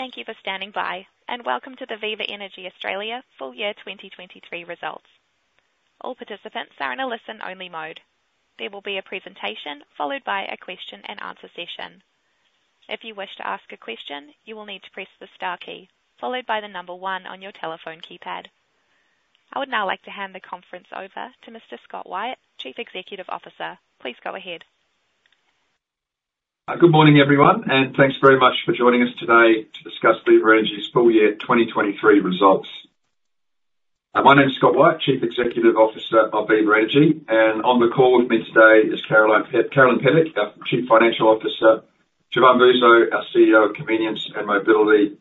Thank you for standing by, and welcome to the Viva Energy Australia full year 2023 results. All participants are in a listen-only mode. There will be a presentation followed by a question-and-answer session. If you wish to ask a question, you will need to press the star key followed by one on your telephone keypad. I would now like to hand the conference over to Mr. Scott Wyatt, Chief Executive Officer. Please go ahead. Good morning, everyone, and thanks very much for joining us today to discuss Viva Energy's full year 2023 results. My name's Scott Wyatt, Chief Executive Officer of Viva Energy, and on the call with me today is Carolyn Pedic, our Chief Financial Officer, Jevan Bouzo, our CEO of Convenience and Mobility,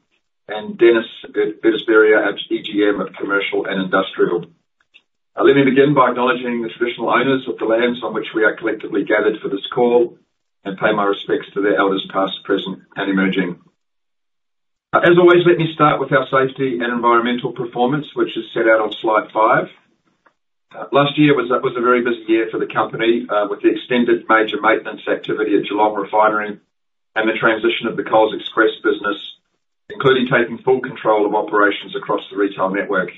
and Denis Urtizberea, our EGM of Commercial and Industrial. Let me begin by acknowledging the traditional owners of the lands on which we are collectively gathered for this call and pay my respects to their elders past, present, and emerging. As always, let me start with our safety and environmental performance, which is set out on slide 5. Last year was a very busy year for the company with the extended major maintenance activity at Geelong Refinery and the transition of the Coles Express business, including taking full control of operations across the retail network.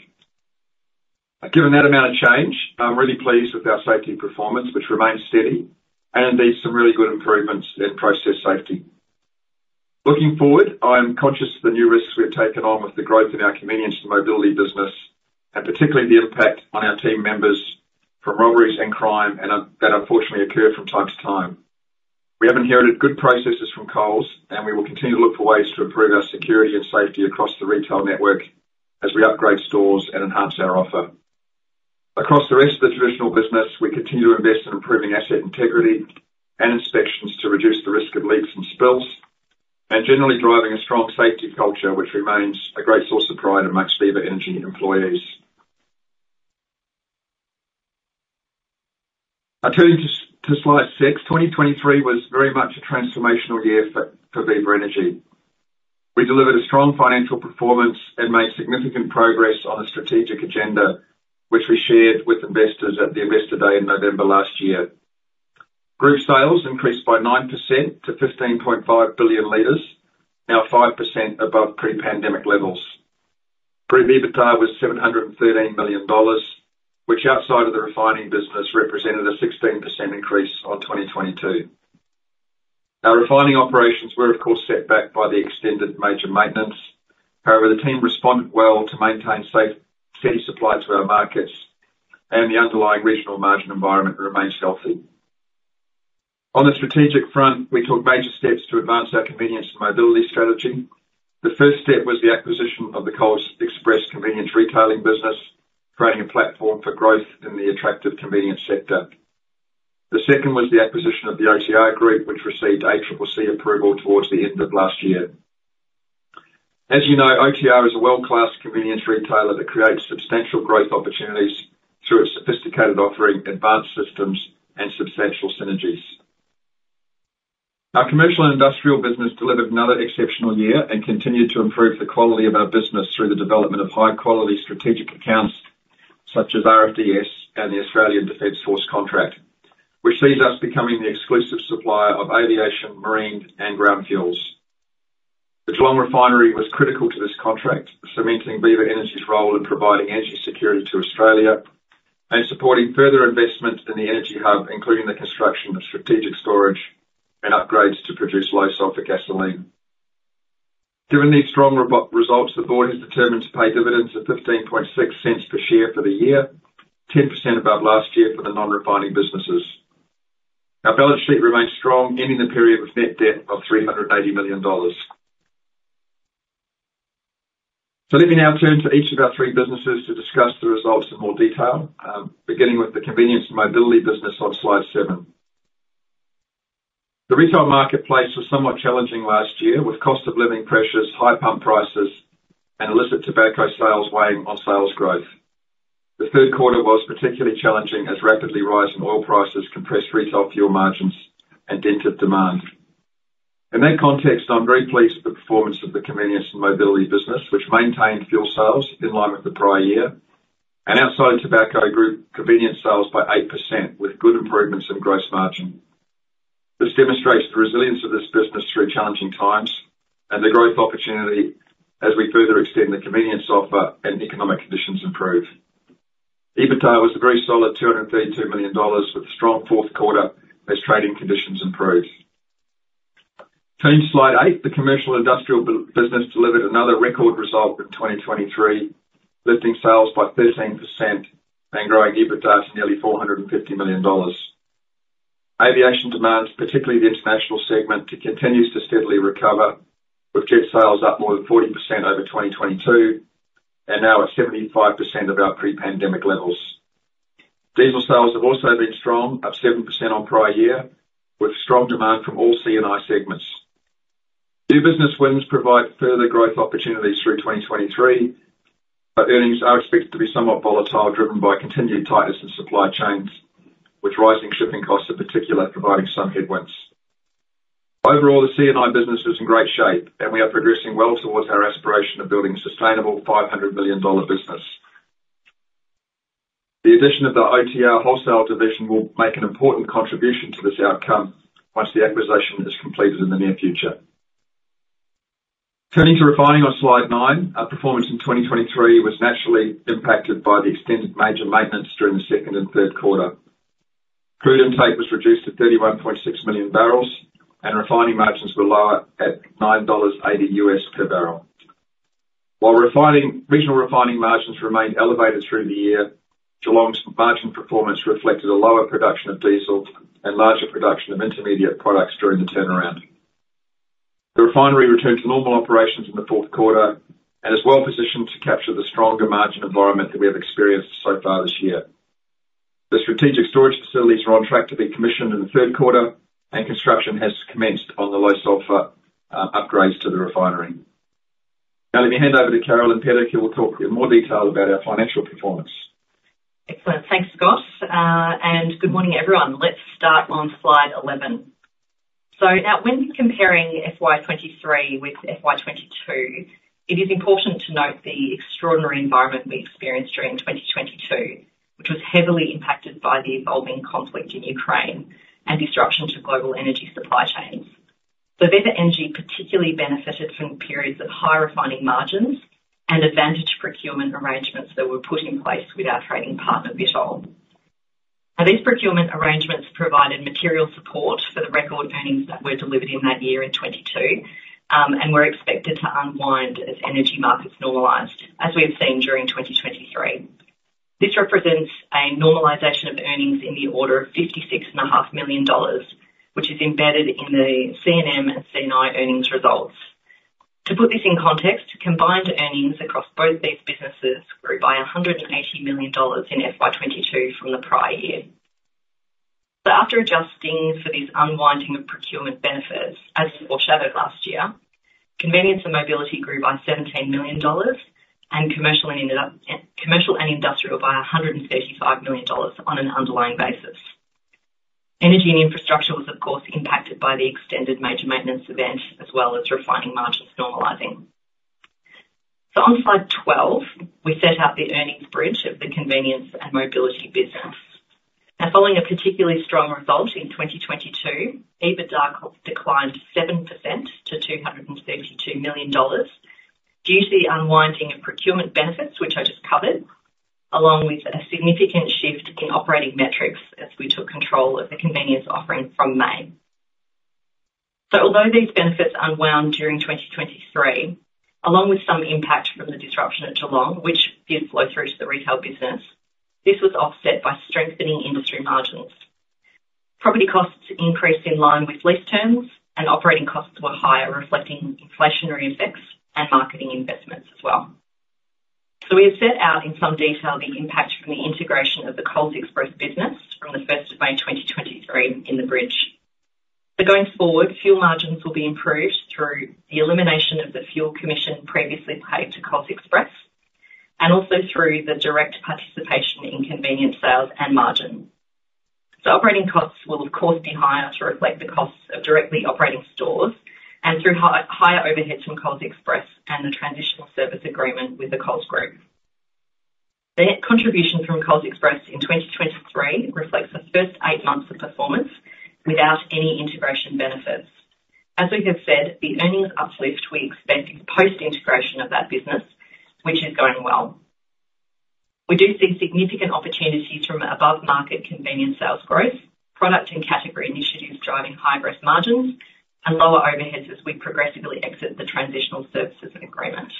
Given that amount of change, I'm really pleased with our safety performance, which remains steady and indeed some really good improvements in process safety. Looking forward, I am conscious of the new risks we have taken on with the growth in our Convenience and Mobility business, and particularly the impact on our team members from robberies and crime that unfortunately occur from time to time. We have inherited good processes from Coles, and we will continue to look for ways to improve our security and safety across the retail network as we upgrade stores and enhance our offer. Across the rest of the traditional business, we continue to invest in improving asset integrity and inspections to reduce the risk of leaks and spills, and generally driving a strong safety culture, which remains a great source of pride amongst Viva Energy employees. Turning to slide 6, 2023 was very much a transformational year for Viva Energy. We delivered a strong financial performance and made significant progress on the strategic agenda, which we shared with investors at the Investor Day in November last year. Group sales increased by 9% to 15.5 billion liters, now 5% above pre-pandemic levels. EBITDA was 713 million dollars, which outside of the refining business represented a 16% increase on 2022. Our refining operations were, of course, set back by the extended major maintenance. However, the team responded well to maintain steady supply to our markets, and the underlying regional margin environment remains healthy. On the strategic front, we took major steps to advance our Convenience and Mobility strategy. The first step was the acquisition of the Coles Express convenience retailing business, creating a platform for growth in the attractive convenience sector. The second was the acquisition of the OTR Group, which received ACCC approval towards the end of last year. As you know, OTR is a world-class convenience retailer that creates substantial growth opportunities through its sophisticated offering, advanced systems, and substantial synergies. Our Commercial and Industrial business delivered another exceptional year and continued to improve the quality of our business through the development of high-quality strategic accounts such as RFDS and the Australian Defence Force contract, which sees us becoming the exclusive supplier of aviation, marine, and ground fuels. The Geelong Refinery was critical to this contract, cementing Viva Energy's role in providing energy security to Australia and supporting further investment in the energy hub, including the construction of strategic storage and upgrades to produce low-sulphur gasoline. Given these strong results, the board has determined to pay dividends of 0.156 per share for the year, 10% above last year for the non-refining businesses. Our balance sheet remains strong, ending the period of net debt of 380 million dollars. So let me now turn to each of our three businesses to discuss the results in more detail, beginning with the Convenience and Mobility business on slide 7. The retail marketplace was somewhat challenging last year, with cost of living pressures, high pump prices, and illicit tobacco sales weighing on sales growth. The third quarter was particularly challenging as rapidly rising oil prices compressed retail fuel margins and dented demand. In that context, I'm very pleased with the performance of the Convenience and Mobility business, which maintained fuel sales in line with the prior year and outside of tobacco group convenience sales by 8%, with good improvements in gross margin. This demonstrates the resilience of this business through challenging times and the growth opportunity as we further extend the convenience offer and economic conditions improve. EBITDA was a very solid 232 million dollars, with a strong fourth quarter as trading conditions improved. Turning to slide 8, the Commercial and Industrial business delivered another record result in 2023, lifting sales by 13% and growing EBITDA to nearly 450 million dollars. Aviation demands, particularly the international segment, continues to steadily recover, with jet sales up more than 40% over 2022 and now at 75% of our pre-pandemic levels. Diesel sales have also been strong, up 7% on prior year, with strong demand from all C&I segments. New business wins provide further growth opportunities through 2023, but earnings are expected to be somewhat volatile, driven by continued tightness in supply chains, with rising shipping costs in particular providing some headwinds. Overall, the C&I business is in great shape, and we are progressing well towards our aspiration of building a sustainable 500 million dollar business. The addition of the OTR wholesale division will make an important contribution to this outcome once the acquisition is completed in the near future. Turning to refining on slide 9, our performance in 2023 was naturally impacted by the extended major maintenance during the second and third quarter. Crude intake was reduced to 31.6 million barrels, and refining margins were lower at $9.80 per barrel. While regional refining margins remained elevated through the year, Geelong's margin performance reflected a lower production of diesel and larger production of intermediate products during the turnaround. The refinery returned to normal operations in the fourth quarter and is well positioned to capture the stronger margin environment that we have experienced so far this year. The strategic storage facilities are on track to be commissioned in the third quarter, and construction has commenced on the low-sulphur upgrades to the refinery. Now let me hand over to Carolyn Pedic. She will talk in more detail about our financial performance. Excellent. Thanks, Scott, and good morning, everyone. Let's start on slide 11. So now, when comparing FY 2023 with FY 2022, it is important to note the extraordinary environment we experienced during 2022, which was heavily impacted by the evolving conflict in Ukraine and disruption to global energy supply chains. So Viva Energy particularly benefited from periods of high refining margins and advantage procurement arrangements that were put in place with our trading partner, Vitol. Now these procurement arrangements provided material support for the record earnings that were delivered in that year in '22 and were expected to unwind as energy markets normalized, as we have seen during 2023. This represents a normalization of earnings in the order of 56.5 million dollars, which is embedded in the C&M and C&I earnings results. To put this in context, combined earnings across both these businesses grew by 180 million dollars in FY 2022 from the prior year. After adjusting for this unwinding of procurement benefits, as foreshadowed last year, Convenience and Mobility grew by 17 million dollars, and Commercial and Industrial by 135 million dollars on an underlying basis. Energy and Infrastructure was, of course, impacted by the extended major maintenance event as well as refining margins normalizing. On slide 12, we set out the earnings bridge of the Convenience and Mobility business. Now, following a particularly strong result in 2022, EBITDA declined 7% to 232 million dollars due to the unwinding of procurement benefits, which I just covered, along with a significant shift in operating metrics as we took control of the convenience offering from May. Although these benefits unwound during 2023, along with some impact from the disruption at Geelong, which did flow through to the retail business, this was offset by strengthening industry margins. Property costs increased in line with lease terms, and operating costs were higher, reflecting inflationary effects and marketing investments as well. So we have set out in some detail the impact from the integration of the Coles Express business from the 1st of May 2023 in the bridge. So going forward, fuel margins will be improved through the elimination of the fuel commission previously paid to Coles Express and also through the direct participation in convenience sales and margin. So operating costs will, of course, be higher to reflect the costs of directly operating stores and through higher overheads from Coles Express and the Transitional Services Agreement with the Coles Group. The contribution from Coles Express in 2023 reflects the first eight months of performance without any integration benefits. As we have said, the earnings uplift we expect is post-integration of that business, which is going well. We do see significant opportunities from above-market convenience sales growth, product and category initiatives driving high gross margins, and lower overheads as we progressively exit the Transitional Services Agreement.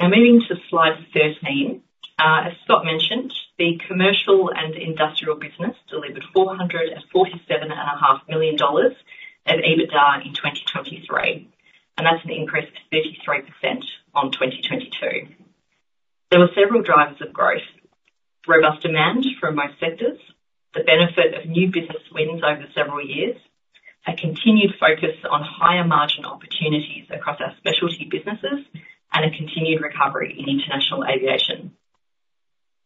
Now moving to slide 13, as Scott mentioned, the Commercial and Industrial business delivered 447.5 million dollars of EBITDA in 2023, and that's an increase of 33% on 2022. There were several drivers of growth: robust demand from most sectors, the benefit of new business wins over several years, a continued focus on higher margin opportunities across our specialty businesses, and a continued recovery in international aviation.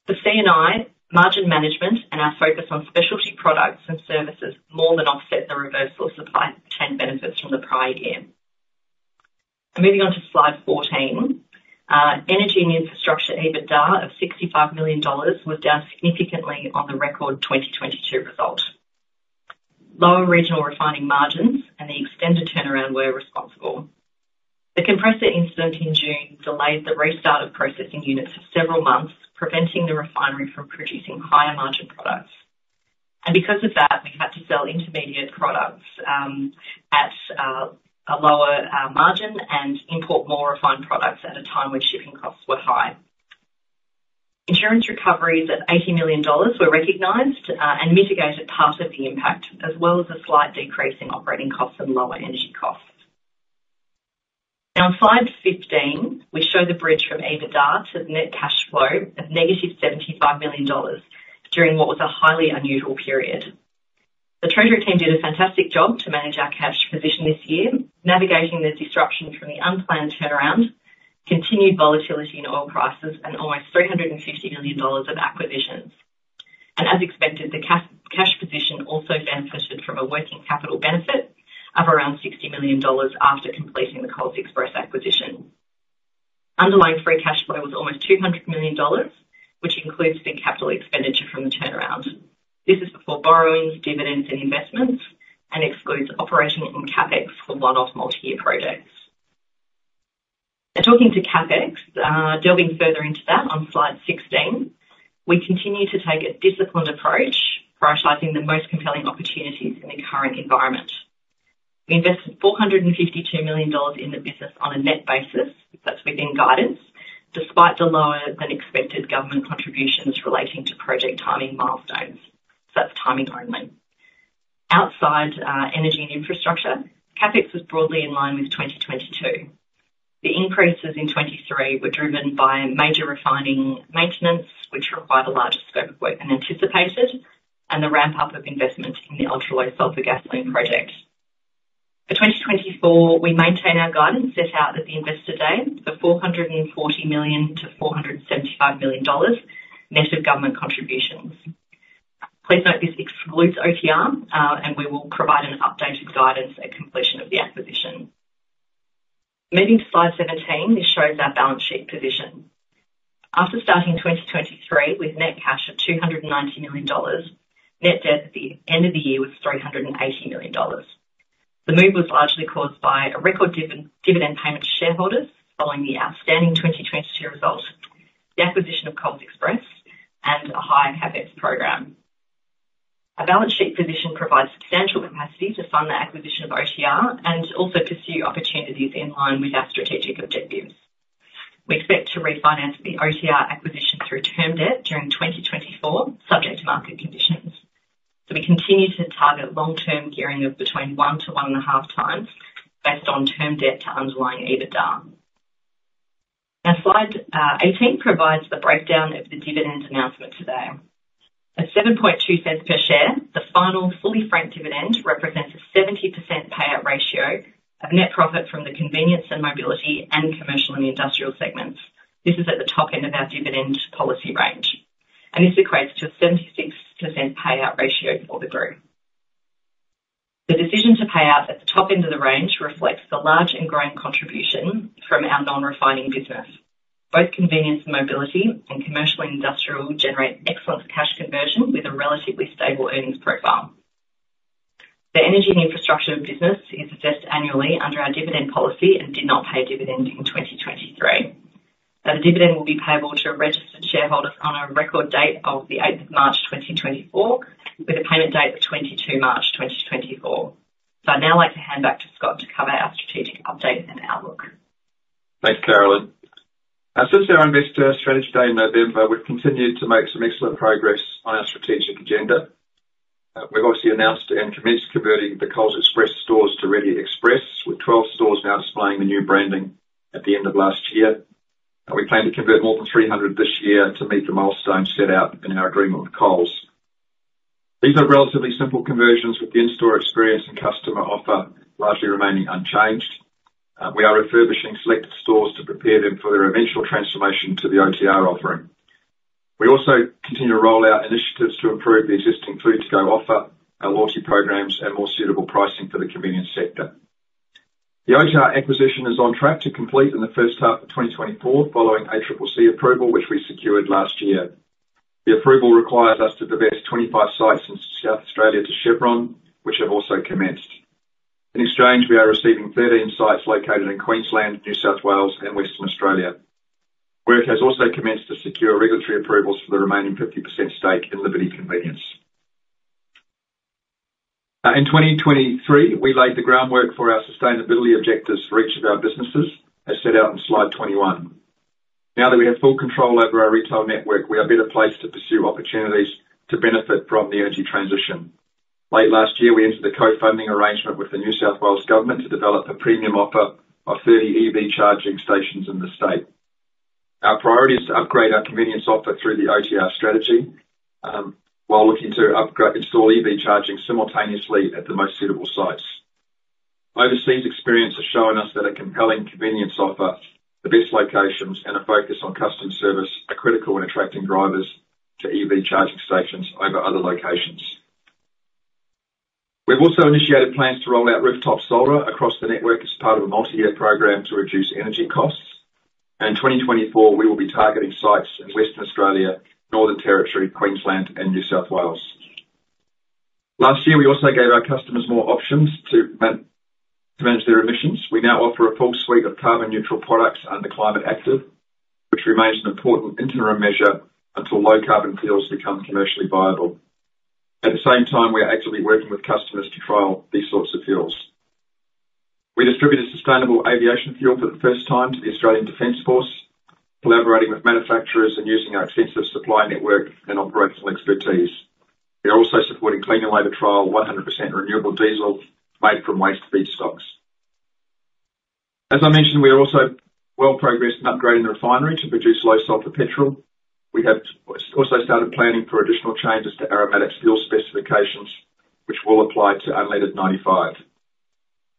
The C&I margin management and our focus on specialty products and services more than offset the reversal of supply chain benefits from the prior year. Moving on to slide 14, Energy and Infrastructure EBITDA of AUD 65 million was down significantly on the record 2022 result. Lower regional refining margins and the extended turnaround were responsible. The compressor incident in June delayed the restart of processing units for several months, preventing the refinery from producing higher margin products. And because of that, we had to sell intermediate products at a lower margin and import more refined products at a time when shipping costs were high. Insurance recoveries of AUD 80 million were recognised and mitigated part of the impact, as well as a slight decrease in operating costs and lower energy costs. Now on slide 15, we show the bridge from EBITDA to net cash flow of -75 million dollars during what was a highly unusual period. The Treasury team did a fantastic job to manage our cash position this year, navigating the disruption from the unplanned turnaround, continued volatility in oil prices, and almost 350 million dollars of acquisitions. As expected, the cash position also benefited from a working capital benefit of around 60 million dollars after completing the Coles Express acquisition. Underlying free cash flow was almost 200 million dollars, which includes the capital expenditure from the turnaround. This is before borrowings, dividends, and investments, and excludes operating and CapEx for one-off multi-year projects. Now talking to CapEx, delving further into that on slide 16, we continue to take a disciplined approach, prioritizing the most compelling opportunities in the current environment. We invested 452 million dollars in the business on a net basis. That's within guidance, despite the lower-than-expected government contributions relating to project timing milestones. So that's timing only. Outside Energy and Infrastructure, CapEx was broadly in line with 2022. The increases in 2023 were driven by major refining maintenance, which required a larger scope of work than anticipated, and the ramp-up of investment in the ultra-low-sulphur gasoline project. For 2024, we maintain our guidance set out at the Investor Day for 440 million-475 million dollars net of government contributions. Please note this excludes OTR, and we will provide an updated guidance at completion of the acquisition. Moving to slide 17, this shows our balance sheet position. After starting 2023 with net cash of 290 million dollars, net debt at the end of the year was 380 million dollars. The move was largely caused by a record dividend payment to shareholders following the outstanding 2022 result, the acquisition of Coles Express, and a high CapEx program. Our balance sheet position provides substantial capacity to fund the acquisition of OTR and also pursue opportunities in line with our strategic objectives. We expect to refinance the OTR acquisition through term debt during 2024, subject to market conditions. So we continue to target long-term gearing of between 1-1.5x based on term debt to underlying EBITDA. Now slide 18 provides the breakdown of the dividend announcement today. At 0.072 per share, the final fully franked dividend represents a 70% payout ratio of net profit from the Convenience and Mobility and Commercial and Industrial segments. This is at the top end of our dividend policy range, and this equates to a 76% payout ratio for the group. The decision to pay out at the top end of the range reflects the large and growing contribution from our non-refining business. Both Convenience and Mobility and Commercial and Industrial generate excellent cash conversion with a relatively stable earnings profile. The Energy and Infrastructure business is assessed annually under our dividend policy and did not pay dividend in 2023. Now the dividend will be payable to registered shareholders on a record date of the 8th of March 2024, with a payment date of 22 March 2024. I'd now like to hand back to Scott to cover our strategic update and outlook. Thanks, Carolyn. Since our investor strategy day in November, we've continued to make some excellent progress on our strategic agenda. We've obviously announced and commenced converting the Coles Express stores to Reddy Express, with 12 stores now displaying the new branding at the end of last year. We plan to convert more than 300 this year to meet the milestone set out in our agreement with Coles. These are relatively simple conversions, with the in-store experience and customer offer largely remaining unchanged. We are refurbishing selected stores to prepare them for their eventual transformation to the OTR offering. We also continue to roll out initiatives to improve the existing food-to-go offer, our loyalty programs, and more suitable pricing for the convenience sector. The OTR acquisition is on track to complete in the first half of 2024 following ACCC approval, which we secured last year. The approval requires us to divest 25 sites in South Australia to Chevron, which have also commenced. In exchange, we are receiving 13 sites located in Queensland, New South Wales, and Western Australia. Work has also commenced to secure regulatory approvals for the remaining 50% stake in Liberty Convenience. In 2023, we laid the groundwork for our sustainability objectives for each of our businesses, as set out on slide 21. Now that we have full control over our retail network, we are better placed to pursue opportunities to benefit from the energy transition. Late last year, we entered a co-funding arrangement with the New South Wales government to develop a premium offer of 30 EV charging stations in the state. Our priority is to upgrade our convenience offer through the OTR strategy while looking to install EV charging simultaneously at the most suitable sites. Overseas experience has shown us that a compelling convenience offer, the best locations, and a focus on customer service are critical in attracting drivers to EV charging stations over other locations. We've also initiated plans to roll out rooftop solar across the network as part of a multi-year program to reduce energy costs. In 2024, we will be targeting sites in Western Australia, Northern Territory, Queensland, and New South Wales. Last year, we also gave our customers more options to manage their emissions. We now offer a full suite of carbon-neutral products under Climate Active, which remains an important interim measure until low-carbon fuels become commercially viable. At the same time, we are actively working with customers to trial these sorts of fuels. We distributed Sustainable Aviation Fuel for the first time to the Australian Defence Force, collaborating with manufacturers and using our extensive supply network and operational expertise. We are also supporting Cleanaway trial 100% renewable diesel made from waste feedstocks. As I mentioned, we are also well-progressed in upgrading the refinery to produce low-sulphur gasoline. We have also started planning for additional changes to aromatic fuel specifications, which will apply to Unleaded 95.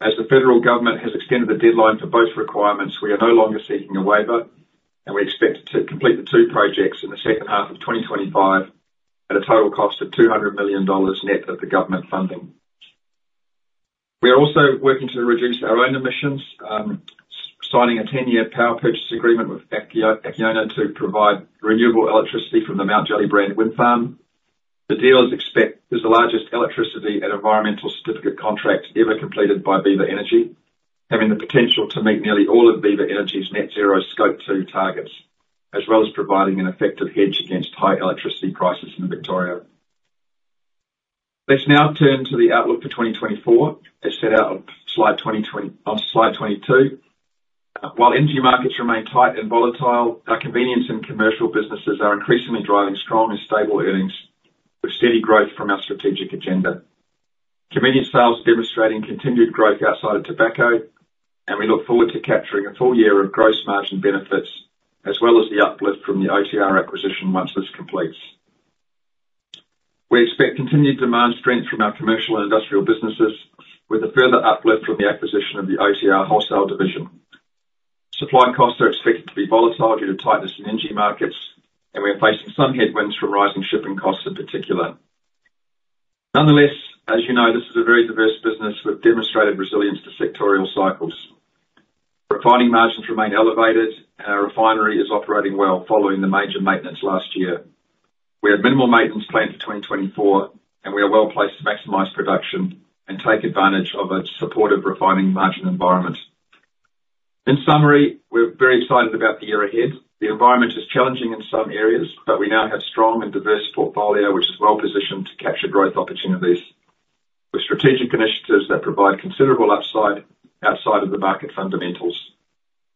As the federal government has extended the deadline for both requirements, we are no longer seeking a waiver, and we expect to complete the two projects in the second half of 2025 at a total cost of 200 million dollars net of the government funding. We are also working to reduce our own emissions, signing a 10-year power purchase agreement with Acciona to provide renewable electricity from the Mount Gellibrand wind farm. The deal is the largest electricity and environmental certificate contract ever completed by Viva Energy, having the potential to meet nearly all of Viva Energy's net-zero scope two targets, as well as providing an effective hedge against high electricity prices in Victoria. Let's now turn to the outlook for 2024 as set out on slide 22. While energy markets remain tight and volatile, our convenience and commercial businesses are increasingly driving strong and stable earnings with steady growth from our strategic agenda. Convenience sales are demonstrating continued growth outside of tobacco, and we look forward to capturing a full year of gross margin benefits, as well as the uplift from the OTR acquisition once this completes. We expect continued demand strength from our Commercial and Industrial businesses with a further uplift from the acquisition of the OTR wholesale division. Supply costs are expected to be volatile due to tightness in energy markets, and we are facing some headwinds from rising shipping costs in particular. Nonetheless, as you know, this is a very diverse business with demonstrated resilience to sectoral cycles. Refining margins remain elevated, and our refinery is operating well following the major maintenance last year. We have minimal maintenance planned for 2024, and we are well-placed to maximize production and take advantage of a supportive refining margin environment. In summary, we're very excited about the year ahead. The environment is challenging in some areas, but we now have strong and diverse portfolio, which is well-positioned to capture growth opportunities with strategic initiatives that provide considerable upside outside of the market fundamentals.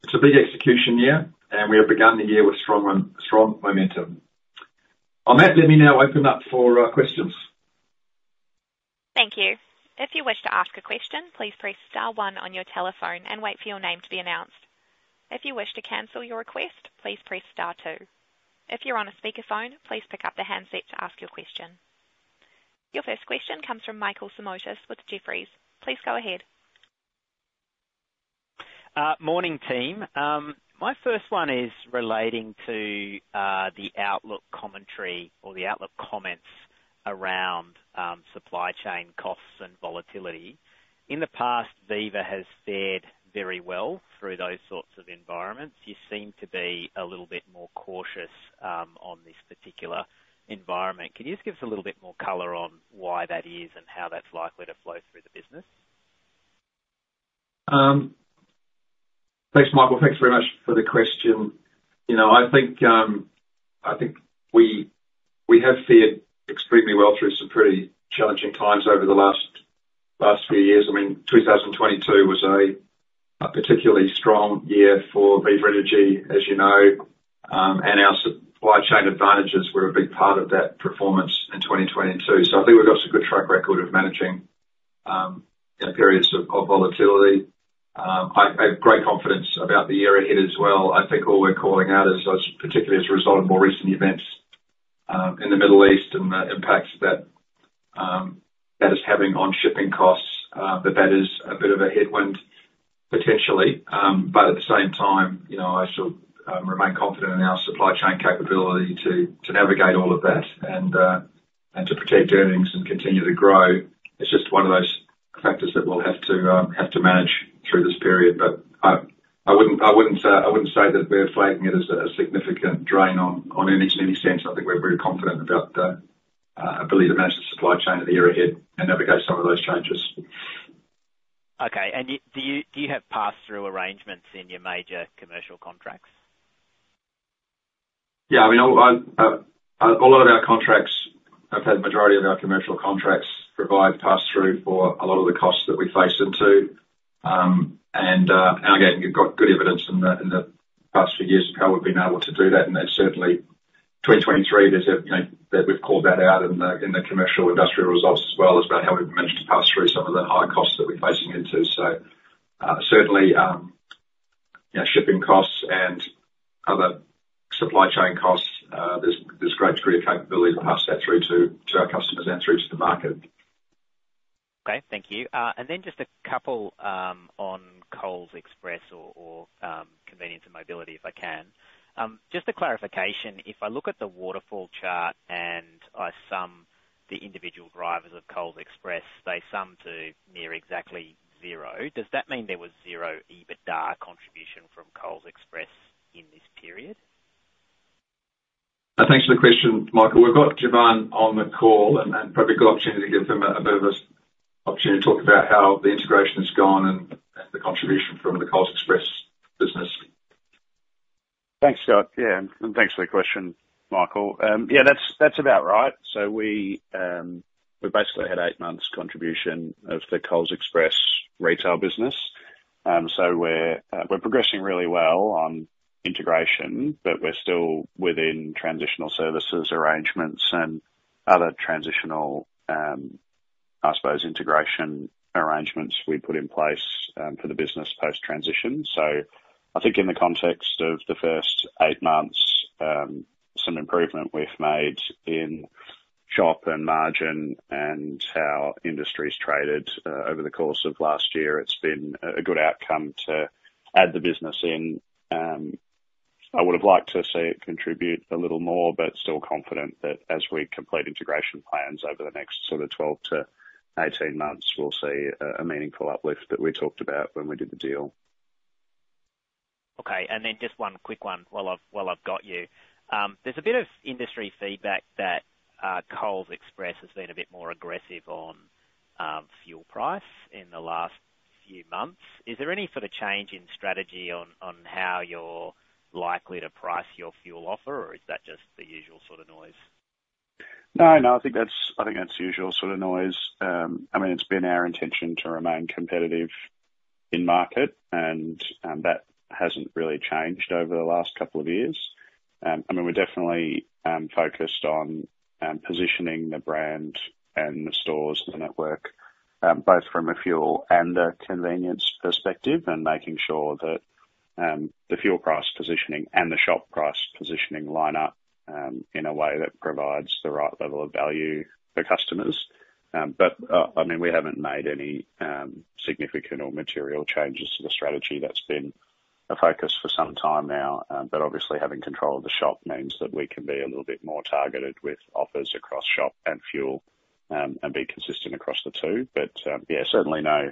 It's a big execution year, and we have begun the year with strong momentum. On that, let me now open up for questions. Thank you. If you wish to ask a question, please press star one on your telephone and wait for your name to be announced. If you wish to cancel your request, please press star two. If you're on a speakerphone, please pick up the handset to ask your question. Your first question comes from Michael Simotas with Jefferies. Please go ahead. Morning, team. My first one is relating to the outlook commentary or the outlook comments around supply chain costs and volatility. In the past, Viva has fared very well through those sorts of environments. You seem to be a little bit more cautious on this particular environment. Could you just give us a little bit more color on why that is and how that's likely to flow through the business? Thanks, Michael. Thanks very much for the question. I think we have fared extremely well through some pretty challenging times over the last few years. I mean, 2022 was a particularly strong year for Viva Energy, as you know, and our supply chain advantages were a big part of that performance in 2022. So I think we've got some good track record of managing periods of volatility. I have great confidence about the year ahead as well. I think all we're calling out is particularly as a result of more recent events in the Middle East and the impacts that that is having on shipping costs, that that is a bit of a headwind potentially. But at the same time, I still remain confident in our supply chain capability to navigate all of that and to protect earnings and continue to grow. It's just one of those factors that we'll have to manage through this period. But I wouldn't say that we're flagging it as a significant drain on earnings in any sense. I think we're very confident about the ability to manage the supply chain in the year ahead and navigate some of those changes. Okay. And do you have pass-through arrangements in your major commercial contracts? Yeah. I mean, a lot of our contracts have had the majority of our commercial contracts provide pass-through for a lot of the costs that we face into. Again, we've got good evidence in the past few years of how we've been able to do that. Certainly, 2023, we've called that out in the commercial industrial results as well as about how we've managed to pass through some of the high costs that we're facing into. Certainly, shipping costs and other supply chain costs, there's a great degree of capability to pass that through to our customers and through to the market. Okay. Thank you. And then just a couple on Coles Express or Convenience and Mobility, if I can. Just a clarification. If I look at the waterfall chart and I sum the individual drivers of Coles Express, they sum to near exactly zero. Does that mean there was zero EBITDA contribution from Coles Express in this period? Thanks for the question, Michael. We've got Jevan on the call, and probably a good opportunity to give him a bit of an opportunity to talk about how the integration has gone and the contribution from the Coles Express business. Thanks, Scott. Yeah. And thanks for the question, Michael. Yeah. That's about right. So we basically had 8 months' contribution of the Coles Express retail business. So we're progressing really well on integration, but we're still within transitional services arrangements and other transitional, I suppose, integration arrangements we put in place for the business post-transition. So I think in the context of the first 8 months, some improvement we've made in shop and margin and how industry's traded over the course of last year, it's been a good outcome to add the business in. I would have liked to see it contribute a little more, but still confident that as we complete integration plans over the next sort of 12-18 months, we'll see a meaningful uplift that we talked about when we did the deal. Okay. Just one quick one while I've got you. There's a bit of industry feedback that Coles Express has been a bit more aggressive on fuel price in the last few months. Is there any sort of change in strategy on how you're likely to price your fuel offer, or is that just the usual sort of noise? No. No. I think that's usual sort of noise. I mean, it's been our intention to remain competitive in market, and that hasn't really changed over the last couple of years. I mean, we're definitely focused on positioning the brand and the stores and the network both from a fuel and a convenience perspective and making sure that the fuel price positioning and the shop price positioning line up in a way that provides the right level of value for customers. But I mean, we haven't made any significant or material changes to the strategy. That's been a focus for some time now. But obviously, having control of the shop means that we can be a little bit more targeted with offers across shop and fuel and be consistent across the two. But yeah, certainly no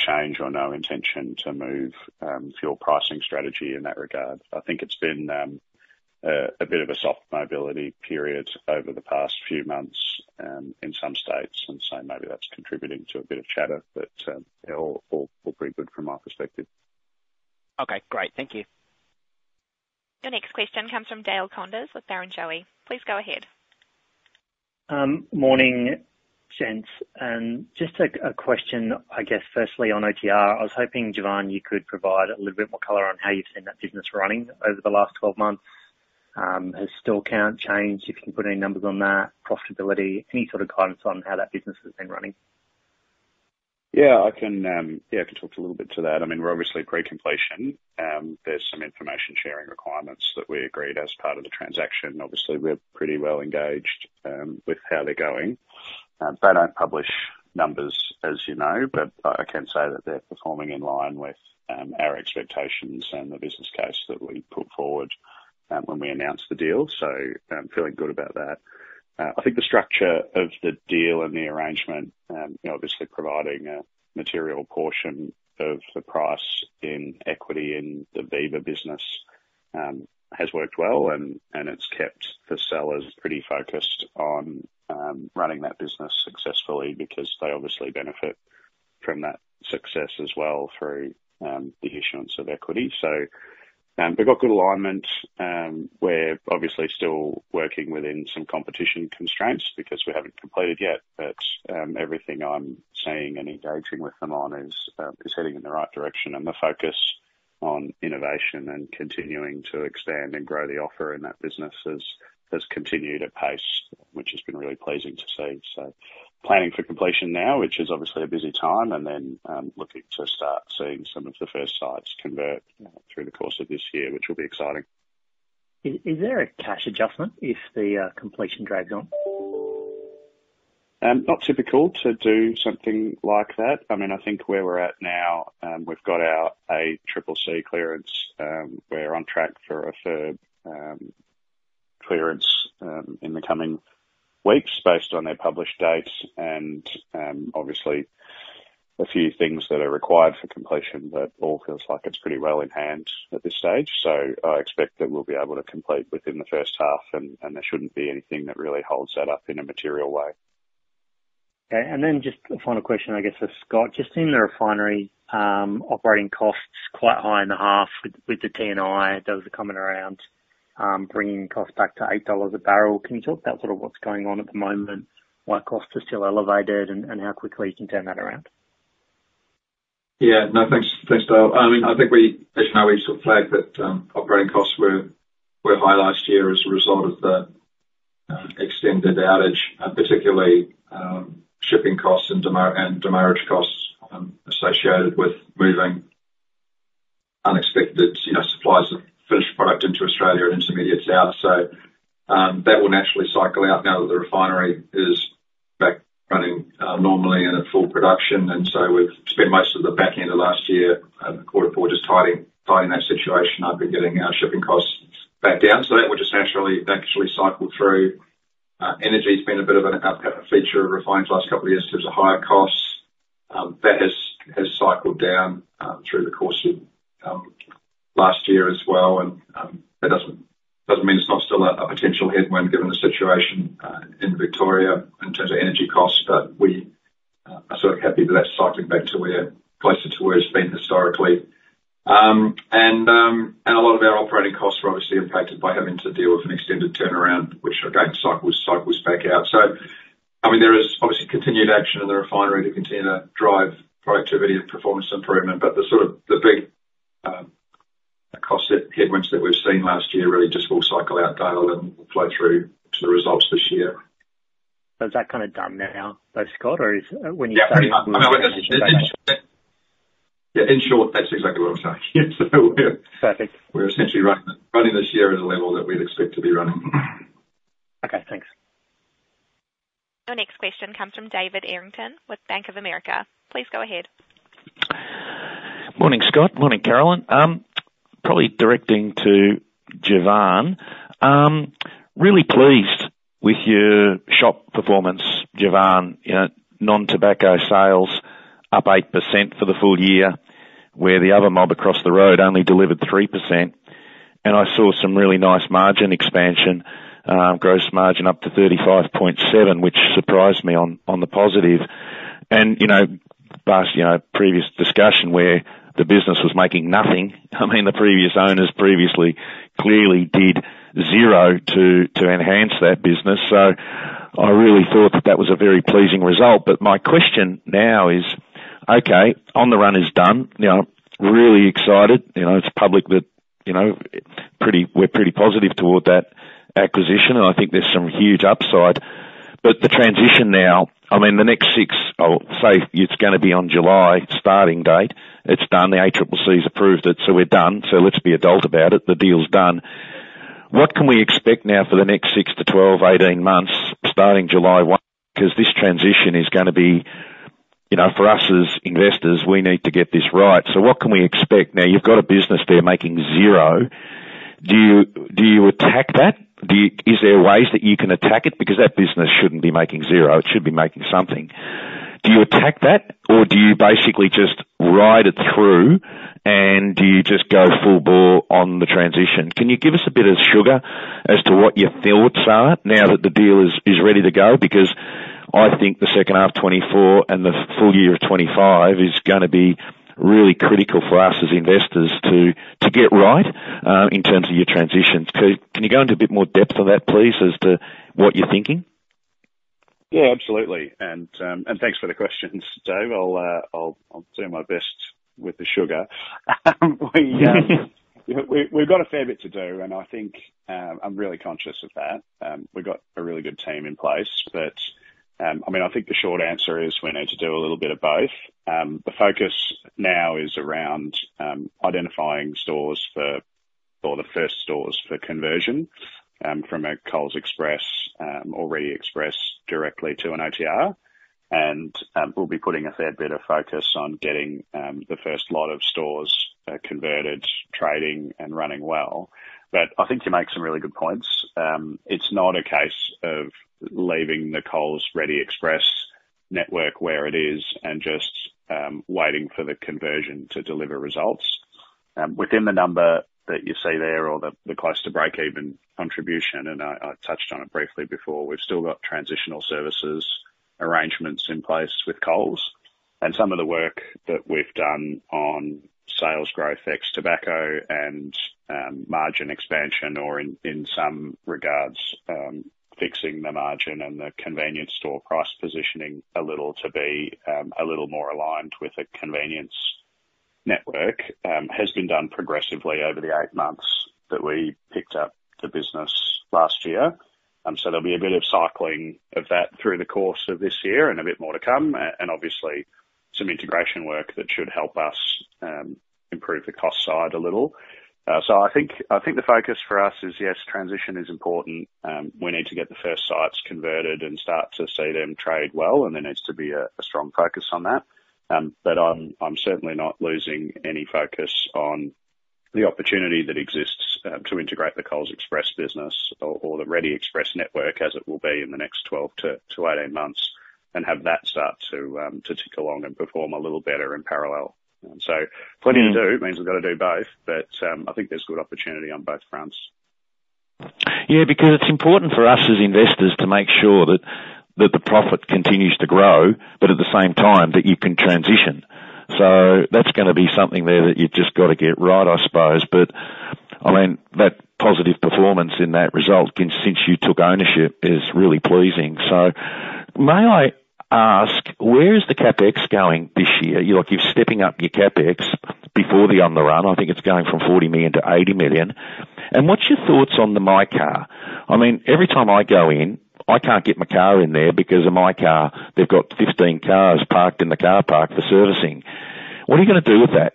change or no intention to move fuel pricing strategy in that regard. I think it's been a bit of a soft mobility period over the past few months in some states. And so maybe that's contributing to a bit of chatter, but yeah, all pretty good from my perspective. Okay. Great. Thank you. Your next question comes from Dale Koenders with Barrenjoey. Please go ahead. Morning, gents. Just a question, I guess, firstly on OTR. I was hoping, Jevan, you could provide a little bit more color on how you've seen that business running over the last 12 months. Has store count changed? If you can put any numbers on that, profitability, any sort of guidance on how that business has been running. Yeah. Yeah. I can talk a little bit to that. I mean, we're obviously pre-completion. There's some information-sharing requirements that we agreed as part of the transaction. Obviously, we're pretty well engaged with how they're going. They don't publish numbers, as you know, but I can say that they're performing in line with our expectations and the business case that we put forward when we announced the deal. So feeling good about that. I think the structure of the deal and the arrangement, obviously providing a material portion of the price in equity in the Viva business, has worked well, and it's kept the sellers pretty focused on running that business successfully because they obviously benefit from that success as well through the issuance of equity. So we've got good alignment. We're obviously still working within some competition constraints because we haven't completed yet, but everything I'm seeing and engaging with them on is heading in the right direction. The focus on innovation and continuing to expand and grow the offer in that business has continued at pace, which has been really pleasing to see. Planning for completion now, which is obviously a busy time, and then looking to start seeing some of the first sites convert through the course of this year, which will be exciting. Is there a cash adjustment if the completion drags on? Not typical to do something like that. I mean, I think where we're at now, we've got our ACCC clearance. We're on track for a FIRB clearance in the coming weeks based on their published dates and obviously a few things that are required for completion, but all feels like it's pretty well in hand at this stage. So I expect that we'll be able to complete within the first half, and there shouldn't be anything that really holds that up in a material way. Okay. And then just a final question, I guess, for Scott. Just seeing the refinery operating costs quite high in the half with the T&I that was coming around, bringing costs back to $8 a barrel. Can you talk about sort of what's going on at the moment, why costs are still elevated, and how quickly you can turn that around? Yeah. No. Thanks, Dale. I mean, I think, as you know, we sort of flagged that operating costs were high last year as a result of the extended outage, particularly shipping costs and demurrage costs associated with moving unexpected supplies of finished product into Australia and intermediates out. So that will naturally cycle out now that the refinery is back running normally and at full production. And so we've spent most of the back end of last year, quarter four, just tidying that situation. I've been getting our shipping costs back down. So that will just naturally cycle through. Energy's been a bit of a feature of refining's the last couple of years in terms of higher costs. That has cycled down through the course of last year as well. And that doesn't mean it's not still a potential headwind given the situation in Victoria in terms of energy costs, but we are sort of happy that that's cycling back closer to where it's been historically. And a lot of our operating costs were obviously impacted by having to deal with an extended turnaround, which, again, cycles back out. So I mean, there is obviously continued action in the refinery to continue to drive productivity and performance improvement, but the sort of big cost headwinds that we've seen last year really just will cycle out, Dale, and will flow through to the results this year. So is that kind of done now, though, Scott, or when you start? Yeah. Pretty much. I mean, in short. That's exactly what I'm saying. Yeah. So we're perfect. We're essentially running this year at a level that we'd expect to be running. Okay. Thanks. Your next question comes from David Errington with Bank of America. Please go ahead. Morning, Scott. Morning, Carolyn. Probably directing to Jevan. Really pleased with your shop performance, Jevan. Non-tobacco sales up 8% for the full year, where the other mob across the road only delivered 3%. I saw some really nice margin expansion, gross margin up to 35.7%, which surprised me on the positive. Past previous discussion where the business was making nothing. I mean, the previous owners previously clearly did zero to enhance that business. I really thought that that was a very pleasing result. My question now is, okay, On the Run is done. Really excited. It's public that we're pretty positive toward that acquisition, and I think there's some huge upside. The transition now, I mean, the next six, I'll say it's going to be on July starting date. It's done. The ACCC's approved it, so we're done. Let's be adult about it. The deal's done. What can we expect now for the next 6 to 12, 18 months starting July 1? Because this transition is going to be for us as investors, we need to get this right. So what can we expect? Now, you've got a business there making zero. Do you attack that? Is there ways that you can attack it? Because that business shouldn't be making zero. It should be making something. Do you attack that, or do you basically just ride it through, and do you just go full bore on the transition? Can you give us a bit of sugar as to what your thoughts are now that the deal is ready to go? Because I think the second half 2024 and the full year of 2025 is going to be really critical for us as investors to get right in terms of your transitions. Can you go into a bit more depth on that, please, as to what you're thinking? Yeah. Absolutely. And thanks for the questions, Dave. I'll do my best with the sugar. We've got a fair bit to do, and I think I'm really conscious of that. We've got a really good team in place. But I mean, I think the short answer is we need to do a little bit of both. The focus now is around identifying stores for the first stores for conversion from a Coles Express or Reddy Express directly to an OTR. And we'll be putting a fair bit of focus on getting the first lot of stores converted, trading, and running well. But I think you make some really good points. It's not a case of leaving the Coles Reddy Express network where it is and just waiting for the conversion to deliver results. Within the number that you see there or the close-to-break-even contribution, and I touched on it briefly before, we've still got transitional services arrangements in place with Coles. And some of the work that we've done on sales growth ex-tobacco and margin expansion, or in some regards, fixing the margin and the convenience store price positioning a little to be a little more aligned with a convenience network, has been done progressively over the eight months that we picked up the business last year. So there'll be a bit of cycling of that through the course of this year and a bit more to come, and obviously, some integration work that should help us improve the cost side a little. So I think the focus for us is, yes, transition is important. We need to get the first sites converted and start to see them trade well, and there needs to be a strong focus on that. But I'm certainly not losing any focus on the opportunity that exists to integrate the Coles Express business or the Reddy Express network as it will be in the next 12-18 months and have that start to tick along and perform a little better in parallel. So plenty to do means we've got to do both, but I think there's good opportunity on both fronts. Yeah. Because it's important for us as investors to make sure that the profit continues to grow, but at the same time, that you can transition. So that's going to be something there that you've just got to get right, I suppose. But I mean, that positive performance in that result since you took ownership is really pleasing. So may I ask, where is the CapEx going this year? You're stepping up your CapEx before the on-the-run. I think it's going from 40 million-80 million. And what's your thoughts on the MyCar? I mean, every time I go in, I can't get my car in there because of MyCar. They've got 15 cars parked in the car park for servicing. What are you going to do with that?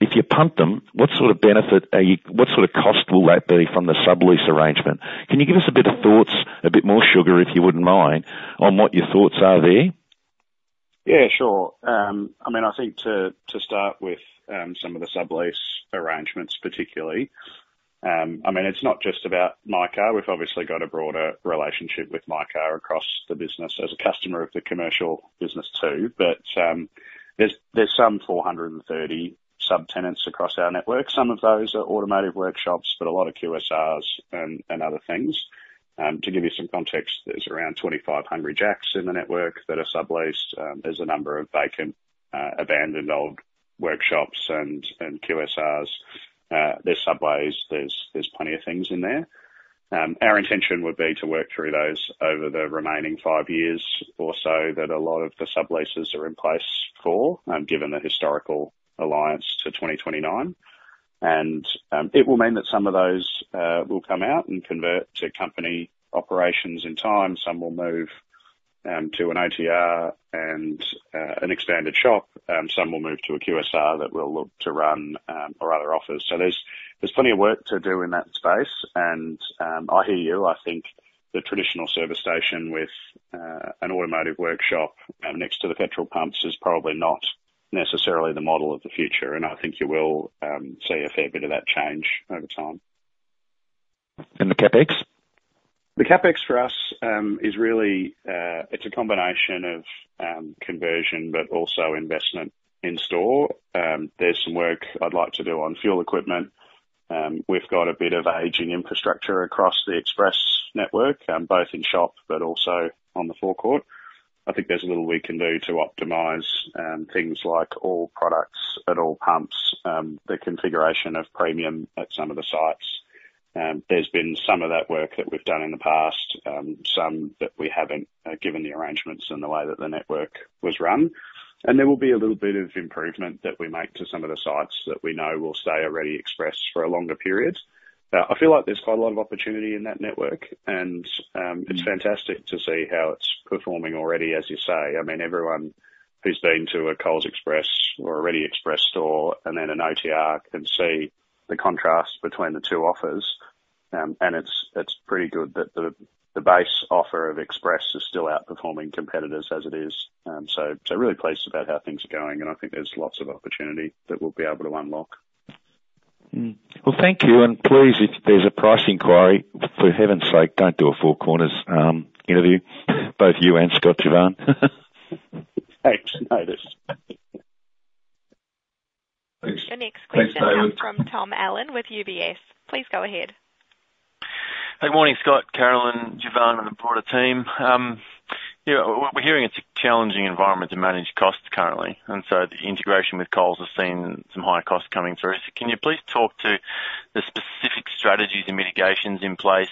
If you pump them, what sort of benefit are you? What sort of cost will that be from the sublease arrangement? Can you give us a bit of thoughts, a bit more sugar, if you wouldn't mind, on what your thoughts are there? Yeah. Sure. I mean, I think to start with some of the sublease arrangements, particularly. I mean, it's not just about MyCar. We've obviously got a broader relationship with MyCar across the business as a customer of the commercial business too. But there's some 430 subtenants across our network. Some of those are automotive workshops, but a lot of QSRs and other things. To give you some context, there's around 2,500 jacks in the network that are subleased. There's a number of vacant, abandoned old workshops and QSRs. There's Subways. There's plenty of things in there. Our intention would be to work through those over the remaining five years or so that a lot of the subleases are in place for, given the historical alliance to 2029. It will mean that some of those will come out and convert to company operations in time. Some will move to an OTR and an expanded shop. Some will move to a QSR that will look to run or other offers. So there's plenty of work to do in that space. And I hear you. I think the traditional service station with an automotive workshop next to the petrol pumps is probably not necessarily the model of the future. And I think you will see a fair bit of that change over time. The CapEx? The CapEx for us is really it's a combination of conversion but also investment in store. There's some work I'd like to do on fuel equipment. We've got a bit of aging infrastructure across the express network, both in shop but also on the forecourt. I think there's a little we can do to optimize things like all products at all pumps, the configuration of premium at some of the sites. There's been some of that work that we've done in the past, some that we haven't given the arrangements in the way that the network was run. And there will be a little bit of improvement that we make to some of the sites that we know will stay a Reddy Express for a longer period. I feel like there's quite a lot of opportunity in that network, and it's fantastic to see how it's performing already, as you say. I mean, everyone who's been to a Coles Express or a Reddy Express store and then an OTR can see the contrast between the two offers. It's pretty good that the base offer of Express is still outperforming competitors as it is. Really pleased about how things are going, and I think there's lots of opportunity that we'll be able to unlock. Well, thank you. And please, if there's a price inquiry, for heaven's sake, don't do a Four Corners interview, both you and Scott, Jevan. Thanks. Noticed. Thanks. Your next question from Tom Allen with UBS. Please go ahead. Good morning, Scott, Carolyn, Jevan, and the broader team. We're hearing it's a challenging environment to manage costs currently, and so the integration with Coles has seen some higher costs coming through. So can you please talk to the specific strategies and mitigations in place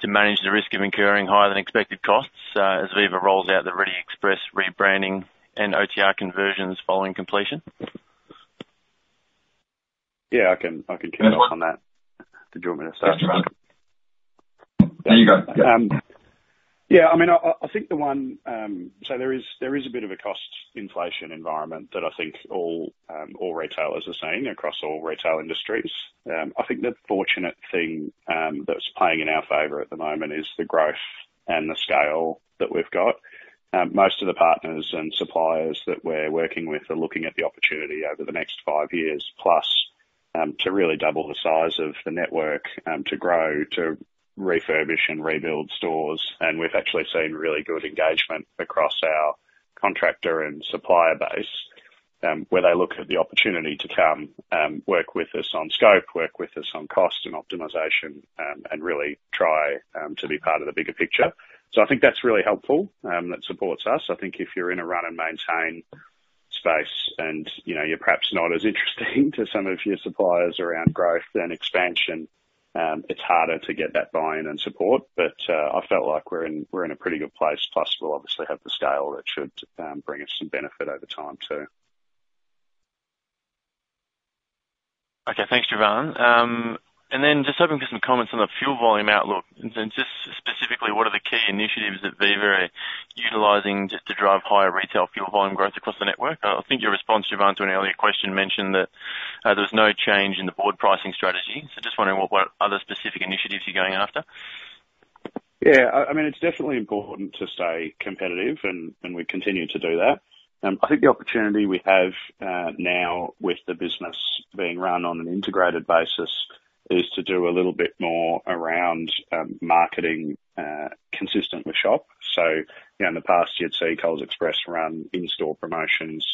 to manage the risk of incurring higher-than-expected costs as Viva rolls out the Reddy Express rebranding and OTR conversions following completion? Yeah. I can kick off on that. Did you want me to start? That's fine. There you go. Yeah. I mean, I think the one so there is a bit of a cost inflation environment that I think all retailers are seeing across all retail industries. I think the fortunate thing that's playing in our favor at the moment is the growth and the scale that we've got. Most of the partners and suppliers that we're working with are looking at the opportunity over the next five years plus to really double the size of the network, to grow, to refurbish and rebuild stores. And we've actually seen really good engagement across our contractor and supplier base where they look at the opportunity to come work with us on scope, work with us on cost and optimization, and really try to be part of the bigger picture. So I think that's really helpful. That supports us. I think if you're in a run-and-maintain space and you're perhaps not as interesting to some of your suppliers around growth and expansion, it's harder to get that buy-in and support. But I felt like we're in a pretty good place, plus we'll obviously have the scale that should bring us some benefit over time too. Okay. Thanks, Jevan. And then just hoping for some comments on the fuel volume outlook. And just specifically, what are the key initiatives at Viva utilizing to drive higher retail fuel volume growth across the network? I think your response, Jevan, to an earlier question mentioned that there was no change in the broad pricing strategy. So just wondering what other specific initiatives you're going after. Yeah. I mean, it's definitely important to stay competitive, and we continue to do that. I think the opportunity we have now with the business being run on an integrated basis is to do a little bit more around marketing consistent with shop. So in the past, you'd see Coles Express run in-store promotions.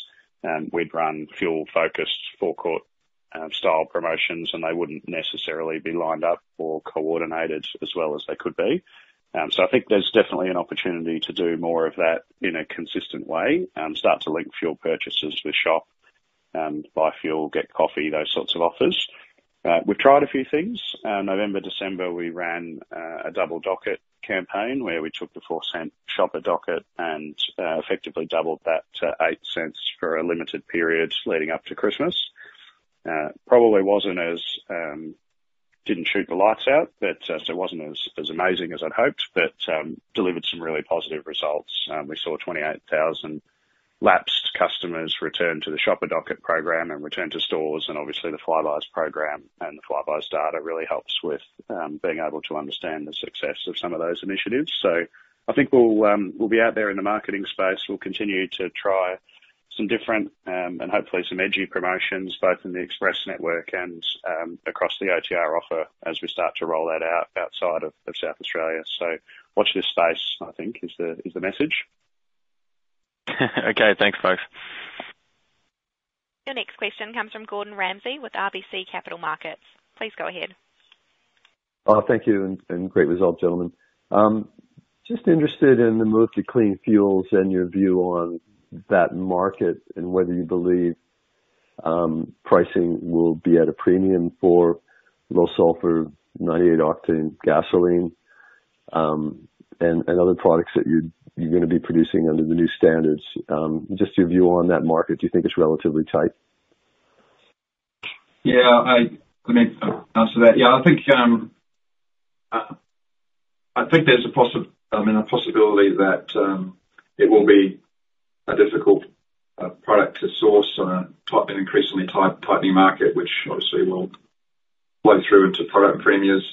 We'd run fuel-focused forecourt-style promotions, and they wouldn't necessarily be lined up or coordinated as well as they could be. So I think there's definitely an opportunity to do more of that in a consistent way, start to link fuel purchases with shop, buy fuel, get coffee, those sorts of offers. We've tried a few things. November, December, we ran a double docket campaign where we took the 4-cent Shopper docket and effectively doubled that to 8 cents for a limited period leading up to Christmas. Probably didn't shoot the lights out, so it wasn't as amazing as I'd hoped, but delivered some really positive results. We saw 28,000 lapsed customers return to the shopper docket program and return to stores. And obviously, the Flybuys program and the Flybuys data really helps with being able to understand the success of some of those initiatives. So I think we'll be out there in the marketing space. We'll continue to try some different and hopefully some edgy promotions both in the express network and across the OTR offer as we start to roll that out outside of South Australia. So watch this space, I think, is the message. Okay. Thanks, folks. Your next question comes from Gordon Ramsay with RBC Capital Markets. Please go ahead. Thank you. Great result, gentlemen. Just interested in the move to clean fuels and your view on that market and whether you believe pricing will be at a premium for low-sulphur, 98-octane gasoline, and other products that you're going to be producing under the new standards. Just your view on that market. Do you think it's relatively tight? Yeah. Let me answer that. Yeah. I think there's a possibility that it will be a difficult product to source in an increasingly tightening market, which obviously will flow through into product premiums.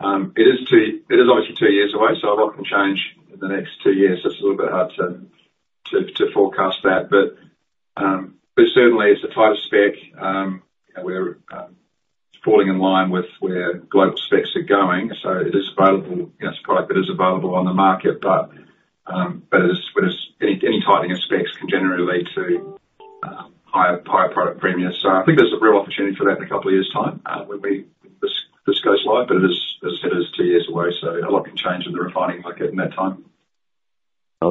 It is obviously two years away, so a lot can change in the next two years. That's a little bit hard to forecast that. But certainly, it's a tighter spec. It's falling in line with where global specs are going. So it is available. It's a product that is available on the market, but any tightening of specs can generally lead to higher product premiums. So I think there's a real opportunity for that in a couple of years' time when this goes live. But as I said, it's two years away, so a lot can change in the refining market in that time.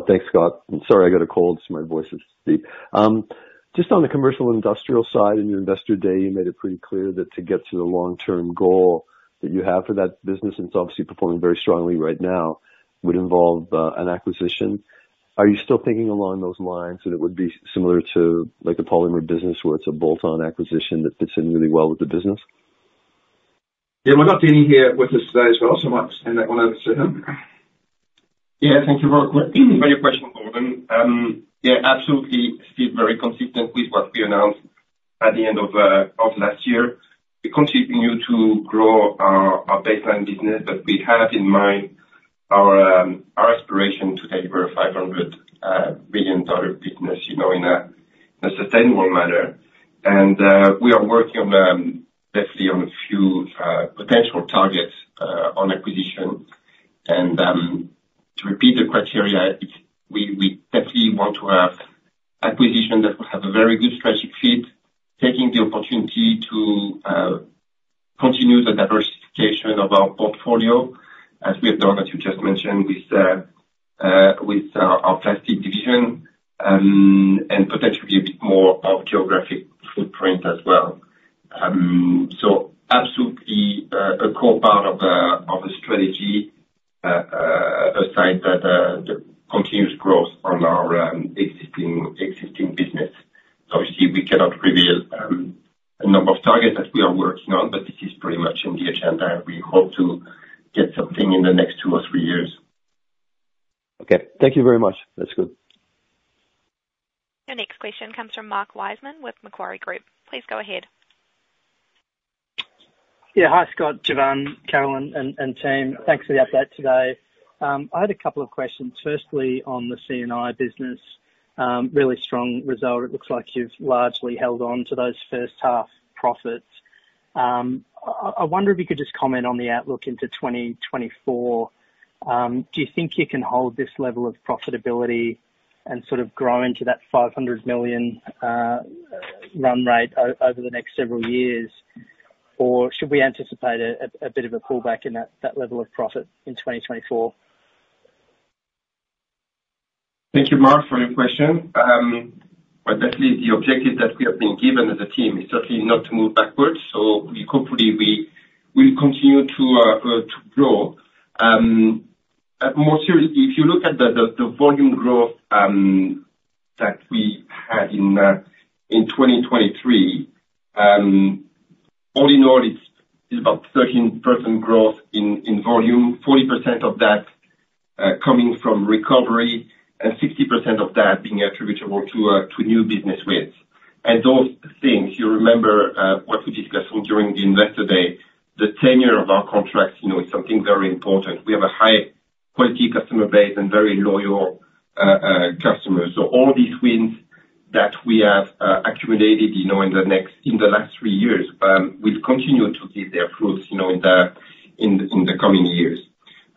Thanks, Scott. Sorry, I got a cold. My voice is deep. Just on the Commercial & Industrial side, in your Investor Day, you made it pretty clear that to get to the long-term goal that you have for that business, and it's obviously performing very strongly right now, would involve an acquisition. Are you still thinking along those lines that it would be similar to the polymer business where it's a bolt-on acquisition that fits in really well with the business? Yeah. We've got Denis here with us today as well. So I might hand that one over to him. Yeah. Thank you very quick for your question, Gordon. Yeah. Absolutely, still very consistent with what we announced at the end of last year. We're continuing to grow our baseline business, but we have in mind our aspiration to deliver a 500 million dollar business in a sustainable manner. And we are working definitely on a few potential targets on acquisition. And to repeat the criteria, we definitely want to have acquisition that will have a very good strategic fit, taking the opportunity to continue the diversification of our portfolio as we have done, as you just mentioned, with our plastic division and potentially a bit more of geographic footprint as well. So absolutely a core part of the strategy aside from the continuous growth on our existing business. Obviously, we cannot reveal a number of targets that we are working on, but this is pretty much in the agenda. We hope to get something in the next 2 or 3 years. Okay. Thank you very much. That's good. Your next question comes from Mark Wiseman with Macquarie Group. Please go ahead. Yeah. Hi, Scott, Jevan, Carolyn, and team. Thanks for the update today. I had a couple of questions. Firstly, on the C&I business, really strong result. It looks like you've largely held on to those first-half profits. I wonder if you could just comment on the outlook into 2024. Do you think you can hold this level of profitability and sort of grow into that 500 million run rate over the next several years, or should we anticipate a bit of a pullback in that level of profit in 2024? Thank you, Mark, for your question. Definitely, the objective that we have been given as a team is certainly not to move backwards. So hopefully, we will continue to grow. More seriously, if you look at the volume growth that we had in 2023, all in all, it's about 13% growth in volume, 40% of that coming from recovery, and 60% of that being attributable to new business wins. And those things, you remember what we discussed during the Investor Day, the tenure of our contract is something very important. We have a high-quality customer base and very loyal customers. So all these wins that we have accumulated in the last three years will continue to give their fruits in the coming years.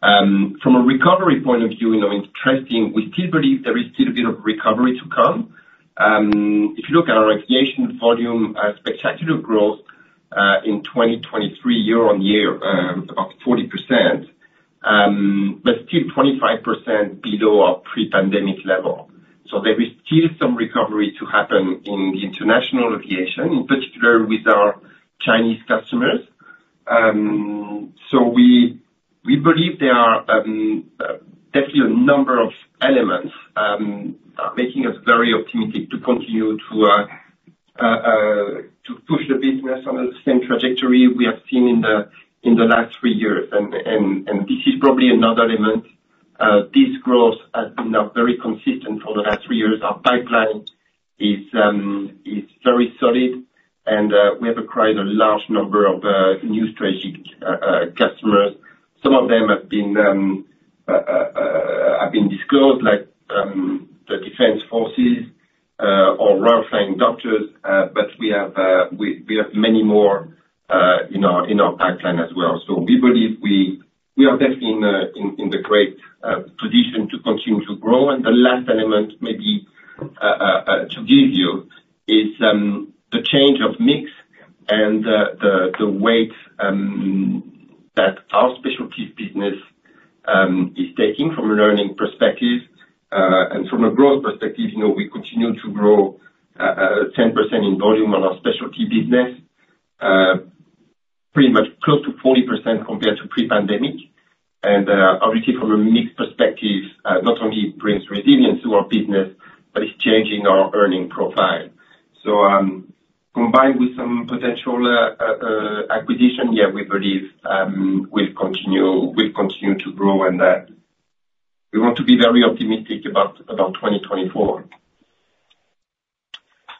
From a recovery point of view, it's interesting. We still believe there is still a bit of recovery to come. If you look at our aviation volume, spectacular growth in 2023, year-over-year, about 40%, but still 25% below our pre-pandemic level. So there is still some recovery to happen in the international aviation, in particular with our Chinese customers. So we believe there are definitely a number of elements making us very optimistic to continue to push the business on the same trajectory we have seen in the last three years. And this is probably another element. This growth has been very consistent for the last three years. Our pipeline is very solid, and we have acquired a large number of new strategic customers. Some of them have been disclosed, like the Defence Force or Royal Flying Doctor Service, but we have many more in our pipeline as well. So we believe we are definitely in the great position to continue to grow. The last element maybe to give you is the change of mix and the weight that our specialty business is taking from a learning perspective. From a growth perspective, we continue to grow 10% in volume on our specialty business, pretty much close to 40% compared to pre-pandemic. Obviously, from a mixed perspective, not only brings resilience to our business, but it's changing our earning profile. Combined with some potential acquisition, yeah, we believe we'll continue to grow, and we want to be very optimistic about 2024.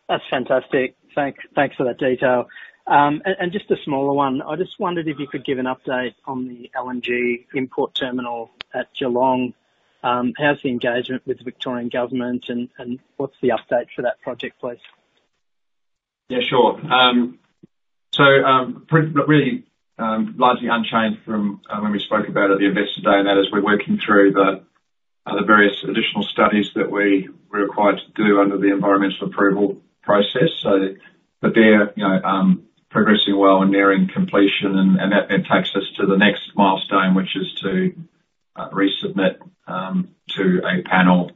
That's fantastic. Thanks for that detail. And just a smaller one, I just wondered if you could give an update on the LNG import terminal at Geelong. How's the engagement with the Victorian Government, and what's the update for that project, please? Yeah. Sure. So really largely unchanged from when we spoke about it at the Investor Day, and that is we're working through the various additional studies that we were required to do under the environmental approval process. But they're progressing well and nearing completion, and that then takes us to the next milestone, which is to resubmit to a panel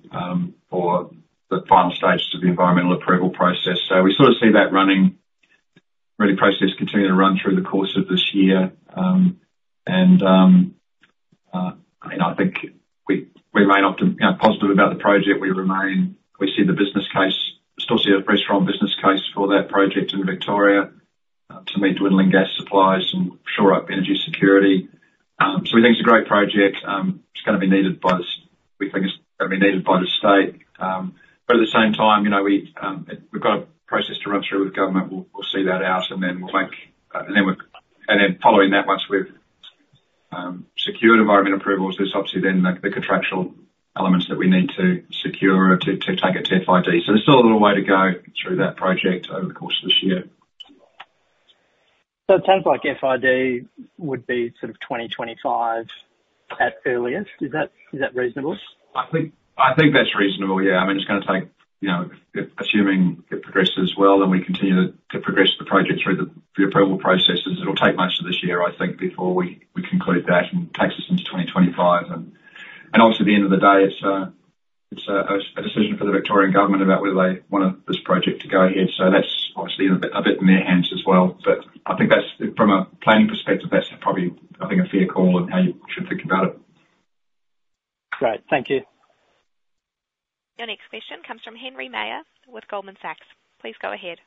for the final stage of the environmental approval process. So we sort of see that running ready process continuing to run through the course of this year. And I think we remain positive about the project. We see the business case still see a very strong business case for that project in Victoria to meet dwindling gas supplies and shore up energy security. So we think it's a great project. It's going to be needed by the we think it's going to be needed by the state. But at the same time, we've got a process to run through with government. We'll see that out, and then we'll make and then following that, once we've secured environmental approvals, there's obviously then the contractual elements that we need to secure or to take it to FID. So there's still a little way to go through that project over the course of this year. It sounds like FID would be sort of 2025 at earliest. Is that reasonable? I think that's reasonable. Yeah. I mean, it's going to take assuming it progresses well and we continue to progress the project through the approval processes, it'll take most of this year, I think, before we conclude that and takes us into 2025. And obviously, at the end of the day, it's a decision for the Victorian Government about whether they want this project to go ahead. So that's obviously a bit in their hands as well. But I think from a planning perspective, that's probably, I think, a fair call and how you should think about it. Great. Thank you. Your next question comes from Henry Meyer with Goldman Sachs. Please go ahead.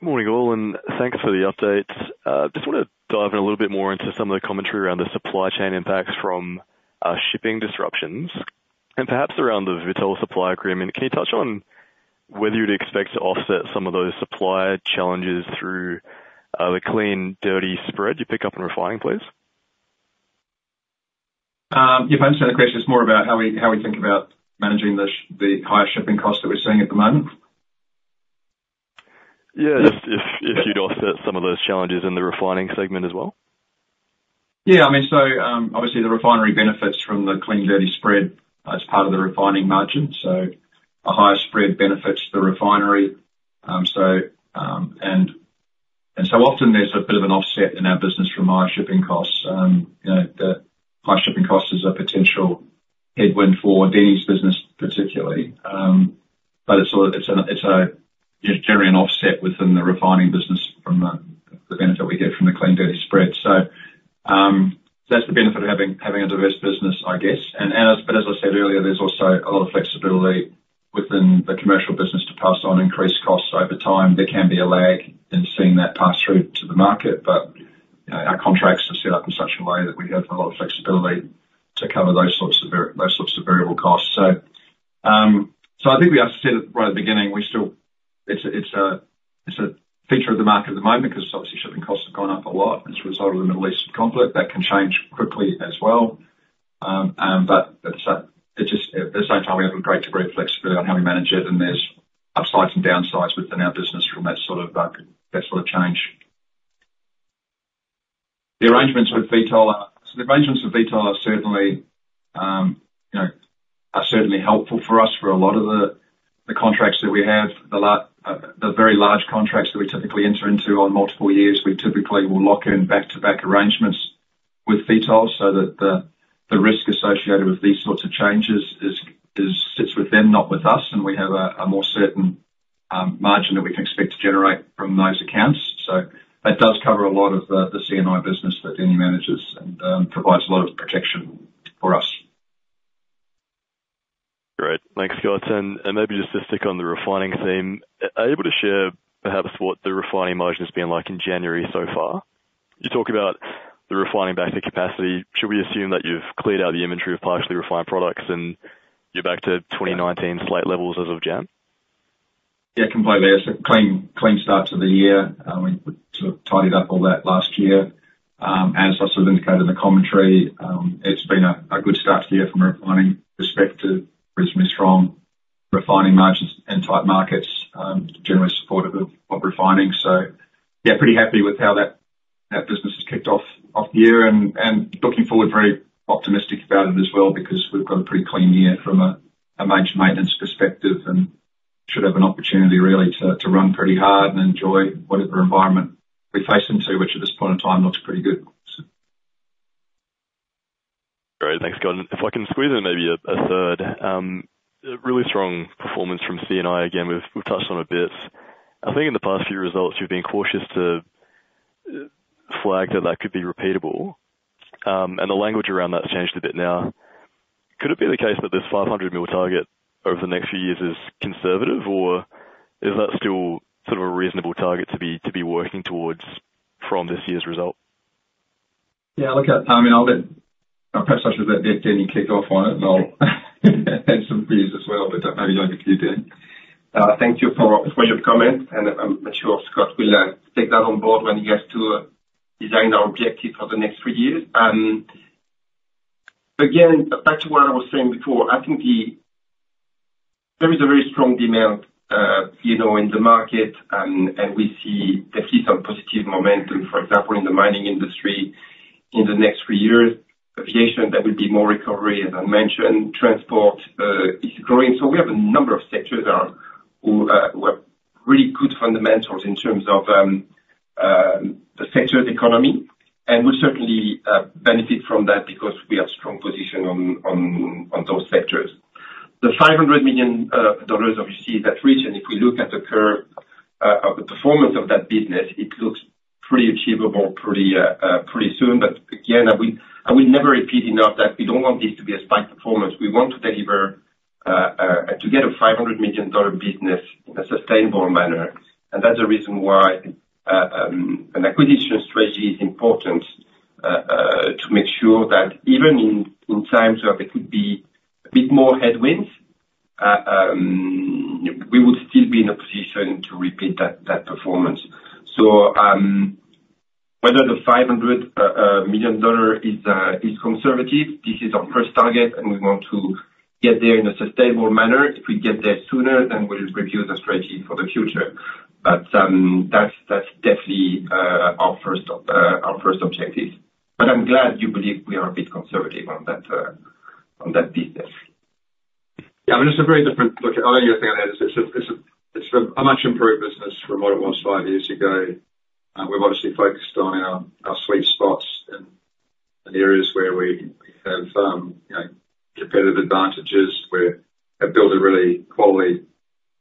Morning, all, and thanks for the update. Just want to dive in a little bit more into some of the commentary around the supply chain impacts from shipping disruptions and perhaps around the Vitol supply agreement. Can you touch on whether you'd expect to offset some of those supply challenges through the clean-dirty spread you pick up in refining, please? Yeah. If I understand the question, it's more about how we think about managing the higher shipping costs that we're seeing at the moment. Yeah. If you'd offset some of those challenges in the refining segment as well? Yeah. I mean, obviously, the refinery benefits from the clean-dirty spread as part of the refining margin. A higher spread benefits the refinery. And often, there's a bit of an offset in our business from higher shipping costs. The high shipping costs is a potential headwind for Denis' business particularly, but it's generally an offset within the refining business from the benefit we get from the clean-dirty spread. So that's the benefit of having a diverse business, I guess. But as I said earlier, there's also a lot of flexibility within the commercial business to pass on increased costs over time. There can be a lag in seeing that pass through to the market, but our contracts are set up in such a way that we have a lot of flexibility to cover those sorts of variable costs. So I think we asked you said it right at the beginning, it's a feature of the market at the moment because obviously, shipping costs have gone up a lot as a result of the Middle East conflict. That can change quickly as well. But at the same time, we have a great degree of flexibility on how we manage it, and there's upsides and downsides within our business from that sort of change. The arrangements with Vitol are certainly helpful for us for a lot of the contracts that we have. The very large contracts that we typically enter into on multiple years, we typically will lock in back-to-back arrangements with Vitol so that the risk associated with these sorts of changes sits with them, not with us, and we have a more certain margin that we can expect to generate from those accounts. So that does cover a lot of the C&I business that Denis manages and provides a lot of protection for us. Great. Thanks, Scott. And maybe just to stick on the refining theme, are you able to share perhaps what the refining margin has been like in January so far? You talk about the refining back to capacity. Should we assume that you've cleared out the inventory of partially refined products, and you're back to 2019 slate levels as of Jan.? Yeah. Completely. It's a clean start to the year. We sort of tidied up all that last year. As I sort of indicated in the commentary, it's been a good start to the year from a refining perspective. Reasonably strong refining margins in tight markets, generally supportive of refining. So yeah, pretty happy with how that business has kicked off the year and looking forward, very optimistic about it as well because we've got a pretty clean year from a major maintenance perspective and should have an opportunity, really, to run pretty hard and enjoy whatever environment we face into, which at this point in time looks pretty good. Great. Thanks, Gordon. If I can squeeze in maybe a third, really strong performance from C&I. Again, we've touched on it a bit. I think in the past few results, you've been cautious to flag that that could be repeatable, and the language around that's changed a bit now. Could it be the case that this 500 million target over the next few years is conservative, or is that still sort of a reasonable target to be working towards from this year's result? Yeah. I mean, I'll let perhaps I should let Denis kick off on it, and I'll add some views as well, but maybe don't envy Denis. Thank you for your comment, and I'm sure Scott will take that on board when he has to design our objective for the next three years. Again, back to what I was saying before, I think there is a very strong demand in the market, and we see definitely some positive momentum, for example, in the mining industry in the next three years. Aviation, there will be more recovery, as I mentioned. Transport is growing. So we have a number of sectors who have really good fundamentals in terms of the sector's economy and will certainly benefit from that because we have a strong position on those sectors. The 500 million dollars obviously is at reach, and if we look at the curve of the performance of that business, it looks pretty achievable pretty soon. But again, I will never repeat enough that we don't want this to be a spike performance. We want to deliver to get a 500 million dollar business in a sustainable manner. And that's the reason why an acquisition strategy is important to make sure that even in times where there could be a bit more headwinds, we would still be in a position to repeat that performance. So whether the 500 million dollar is conservative, this is our first target, and we want to get there in a sustainable manner. If we get there sooner, then we'll review the strategy for the future. But that's definitely our first objective. But I'm glad you believe we are a bit conservative on that business. Yeah. I mean, it's a very different look. I know you're saying that it's a much-improved business from what it was five years ago. We've obviously focused on our sweet spots and areas where we have competitive advantages. We have built a really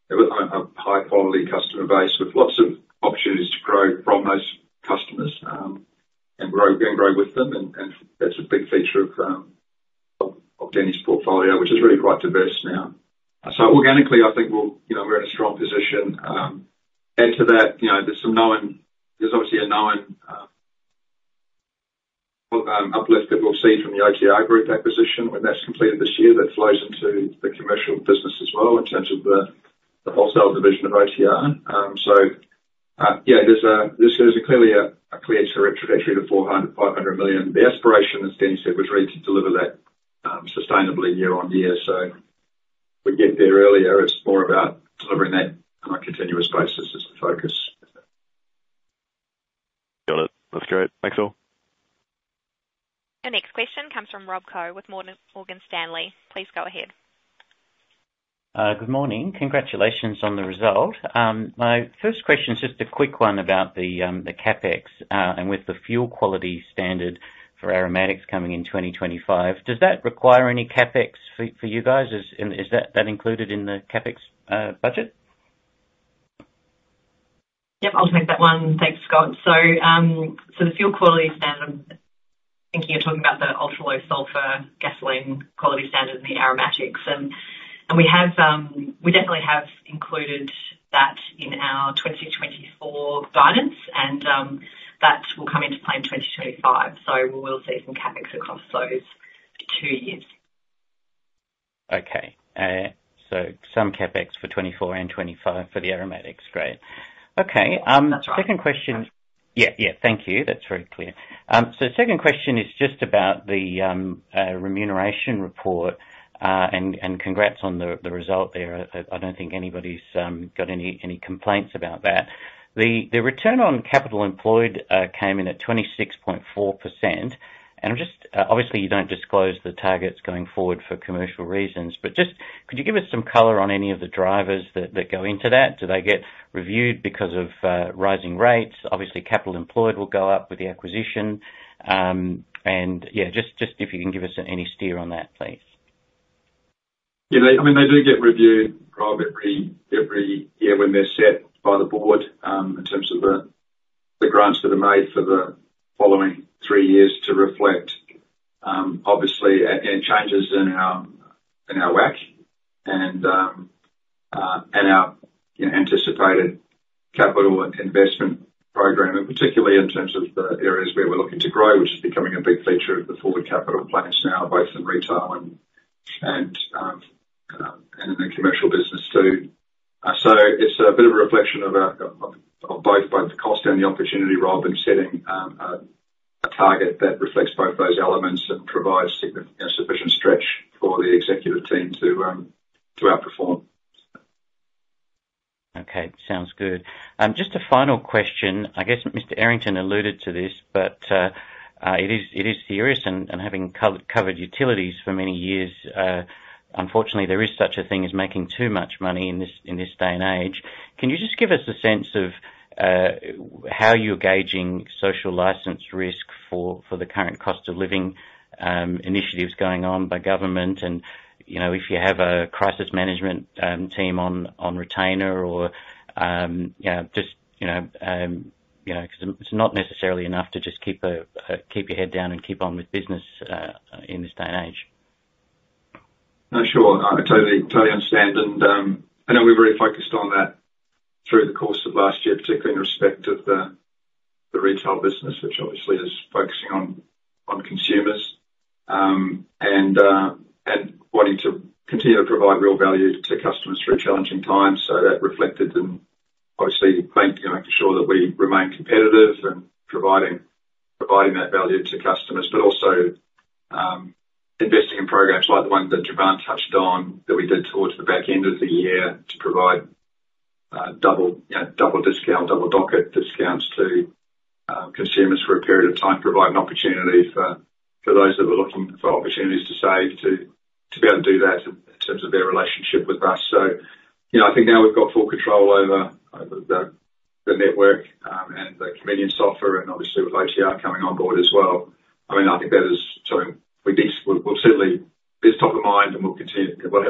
high-quality customer base with lots of opportunities to grow from those customers and grow with them. And that's a big feature of Denis' portfolio, which is really quite diverse now. So organically, I think we're in a strong position. Add to that, there's obviously a known uplift that we'll see from the OTR Group acquisition when that's completed this year that flows into the commercial business as well in terms of the wholesale division of OTR. So yeah, there's clearly a clear trajectory to 400 million-500 million. The aspiration, as Denis said, was really to deliver that sustainably year-on-year. So we get there earlier. It's more about delivering that on a continuous basis as the focus. Got it. That's great. Thanks, all. Your next question comes from Rob Gillies with Morgan Stanley. Please go ahead. Good morning. Congratulations on the result. My first question's just a quick one about the CapEx and with the fuel quality standard for aromatics coming in 2025. Does that require any CapEx for you guys? Is that included in the CapEx budget? Yep. I'll take that one. Thanks, Scott. So the fuel quality standard, I'm thinking you're talking about the ultra-low-sulphur gasoline quality standard in the aromatics. And we definitely have included that in our 2024 guidance, and that will come into play in 2025. So we will see some CapEx across those two years. Okay. So some CAPEX for 2024 and 2025 for the aromatics. Great. Okay. That's right. Second question. Yeah. Yeah. Thank you. That's very clear. So second question is just about the remuneration report, and congrats on the result there. I don't think anybody's got any complaints about that. The return on capital employed came in at 26.4%. And obviously, you don't disclose the targets going forward for commercial reasons, but just could you give us some color on any of the drivers that go into that? Do they get reviewed because of rising rates? Obviously, capital employed will go up with the acquisition. And yeah, just if you can give us any steer on that, please. Yeah. I mean, they do get reviewed every year when they're set by the board in terms of the grants that are made for the following three years to reflect, obviously, changes in our WACC and our anticipated capital investment program, and particularly in terms of the areas where we're looking to grow, which is becoming a big feature of the forward capital plans now, both in retail and in the commercial business too. So it's a bit of a reflection of both the cost and the opportunity, Rob, in setting a target that reflects both those elements and provides sufficient stretch for the executive team to outperform. Okay. Sounds good. Just a final question. I guess Mr. Errington alluded to this, but it is serious. And having covered utilities for many years, unfortunately, there is such a thing as making too much money in this day and age. Can you just give us a sense of how you're gauging social license risk for the current cost of living initiatives going on by government? And if you have a crisis management team on retainer or just because it's not necessarily enough to just keep your head down and keep on with business in this day and age? Sure. I totally understand. And I know we were very focused on that through the course of last year, particularly in respect of the retail business, which obviously is focusing on consumers and wanting to continue to provide real value to customers through challenging times. So that reflected in obviously making sure that we remain competitive and providing that value to customers, but also investing in programs like the one that Jevan touched on that we did towards the back end of the year to provide double discount, double docket discounts to consumers for a period of time, provide an opportunity for those that were looking for opportunities to save to be able to do that in terms of their relationship with us. So I think now we've got full control over the network and the convenience offer and obviously with OTR coming on board as well. I mean, I think that is something we'll certainly it's top of mind, and we'll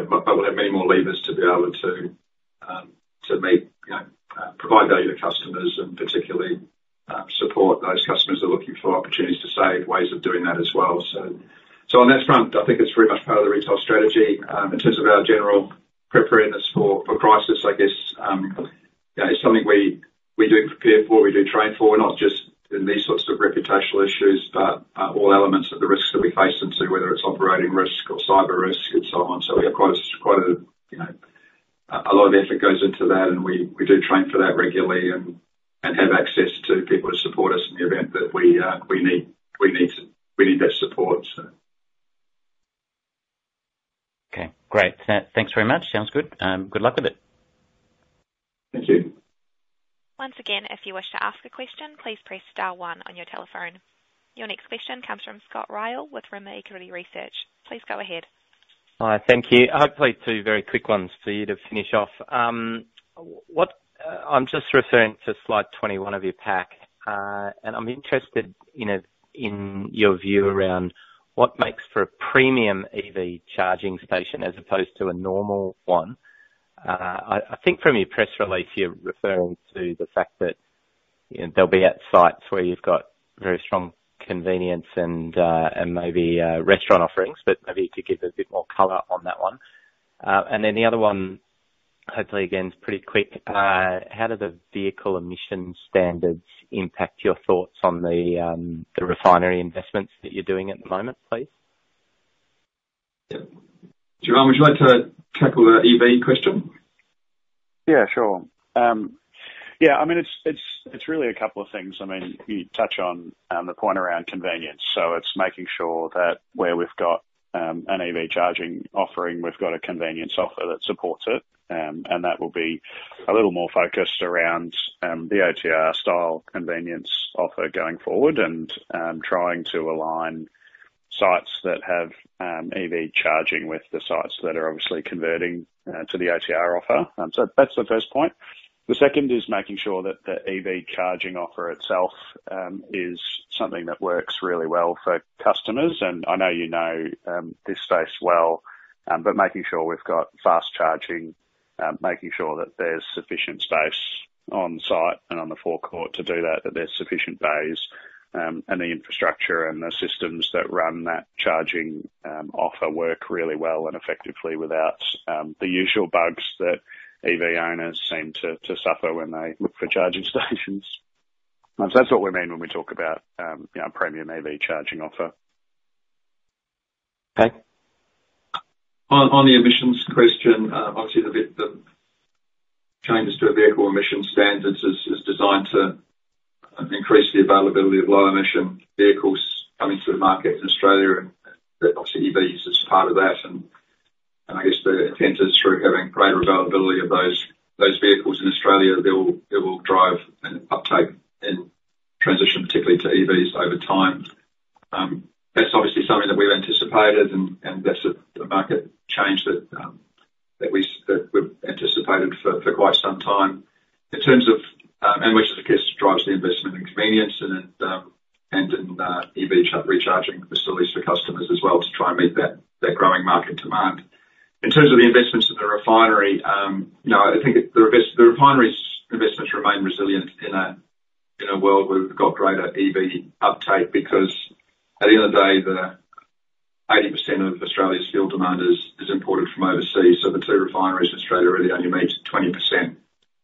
have many more levers to be able to provide value to customers and particularly support those customers that are looking for opportunities to save, ways of doing that as well. So on that front, I think it's very much part of the retail strategy. In terms of our general preparedness for crisis, I guess, it's something we do prepare for. We do train for, not just in these sorts of reputational issues, but all elements of the risks that we face into, whether it's operating risk or cyber risk and so on. So we have quite a lot of effort goes into that, and we do train for that regularly and have access to people to support us in the event that we need that support. Okay. Great. Thanks very much. Sounds good. Good luck with it. Thank you. Once again, if you wish to ask a question, please press star one on your telephone. Your next question comes from Scott Ryall with Rimor Equity Research. Please go ahead. Hi. Thank you. Hopefully, two very quick ones for you to finish off. I'm just referring to slide 21 of your pack, and I'm interested in your view around what makes for a premium EV charging station as opposed to a normal one. I think from your press release, you're referring to the fact that there'll be sites where you've got very strong convenience and maybe restaurant offerings, but maybe you could give a bit more color on that one. And then the other one, hopefully, again, is pretty quick. How do the vehicle emission standards impact your thoughts on the refinery investments that you're doing at the moment, please? Jevan, would you like to tackle the EV question? Yeah. Sure. Yeah. I mean, it's really a couple of things. I mean, you touch on the point around convenience. So it's making sure that where we've got an EV charging offering, we've got a convenience offer that supports it. And that will be a little more focused around the OTR-style convenience offer going forward and trying to align sites that have EV charging with the sites that are obviously converting to the OTR offer. So that's the first point. The second is making sure that the EV charging offer itself is something that works really well for customers. I know you know this space well, but making sure we've got fast charging, making sure that there's sufficient space on site and on the forecourt to do that, that there's sufficient bays and the infrastructure and the systems that run that charging offer work really well and effectively without the usual bugs that EV owners seem to suffer when they look for charging stations. That's what we mean when we talk about a premium EV charging offer. Okay. On the emissions question, obviously, the changes to vehicle emission standards is designed to increase the availability of low-emission vehicles coming to the market in Australia, and obviously, EVs are part of that. And I guess the attempt is through having greater availability of those vehicles in Australia, it will drive an uptake in transition, particularly to EVs, over time. That's obviously something that we've anticipated, and that's a market change that we've anticipated for quite some time in terms of and which, I guess, drives the investment in convenience and in EV recharging facilities for customers as well to try and meet that growing market demand. In terms of the investments in the refinery, I think the refinery's investments remain resilient in a world where we've got greater EV uptake because at the end of the day, 80% of Australia's fuel demand is imported from overseas. So the two refineries in Australia really only meet 20%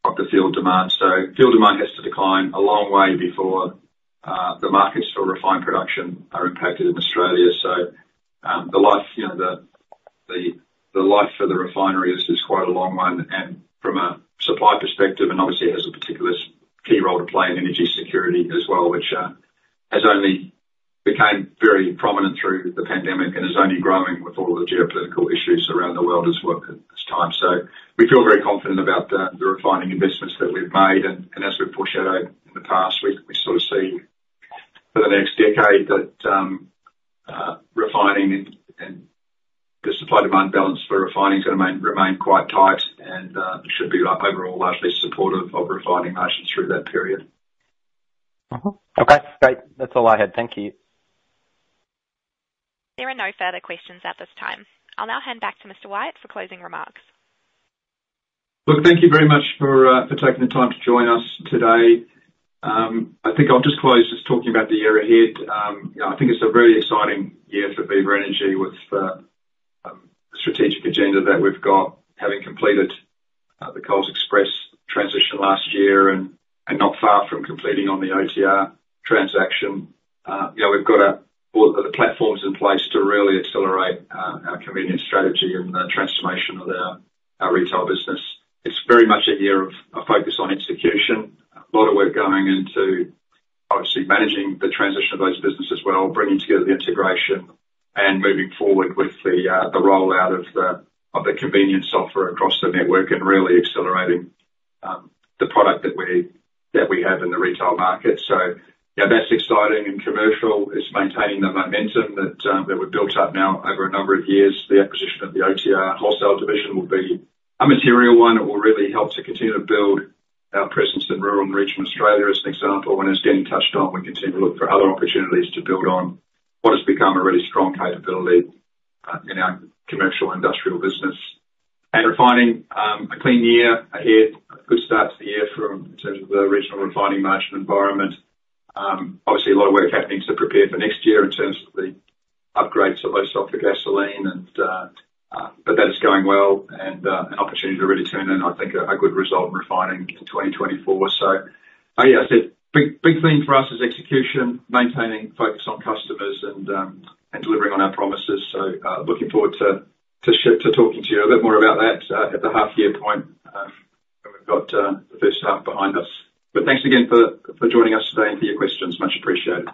of the fuel demand. Fuel demand has to decline a long way before the markets for refined production are impacted in Australia. The life for the refinery is quite a long one. From a supply perspective, and obviously, it has a particular key role to play in energy security as well, which has only become very prominent through the pandemic and is only growing with all of the geopolitical issues around the world as time goes by. We feel very confident about the refining investments that we've made. As we've foreshadowed in the past, we sort of see for the next decade that refining and the supply-demand balance for refining is going to remain quite tight and should be overall largely supportive of refining margins through that period. Okay. Great. That's all I had. Thank you. There are no further questions at this time. I'll now hand back to Mr. Wyatt for closing remarks. Look, thank you very much for taking the time to join us today. I think I'll just close just talking about the year ahead. I think it's a very exciting year for Viva Energy with the strategic agenda that we've got, having completed the Coles Express transition last year and not far from completing on the OTR transaction. We've got all the platforms in place to really accelerate our convenience strategy and the transformation of our retail business. It's very much a year of focus on execution, a lot of work going into, obviously, managing the transition of those businesses well, bringing together the integration, and moving forward with the rollout of the convenience offer across the network and really accelerating the product that we have in the retail market. So that's exciting. And commercial, it's maintaining the momentum that we've built up now over a number of years. The acquisition of the OTR wholesale division will be a material one. It will really help to continue to build our presence in rural and regional Australia as an example. As Denis touched on, we continue to look for other opportunities to build on what has become a really strong capability in our Commercial and Industrial business. Refining, a clean year ahead, a good start to the year in terms of the regional refining margin environment. Obviously, a lot of work happening to prepare for next year in terms of the upgrades to low-sulphur gasoline, but that is going well and an opportunity to really turn in, I think, a good result in refining in 2024. So yeah, I said the big theme for us is execution, maintaining focus on customers, and delivering on our promises. So looking forward to talking to you a bit more about that at the half-year point when we've got the first half behind us. But thanks again for joining us today and for your questions. Much appreciated.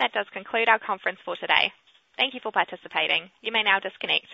That does conclude our conference for today. Thank you for participating. You may now disconnect.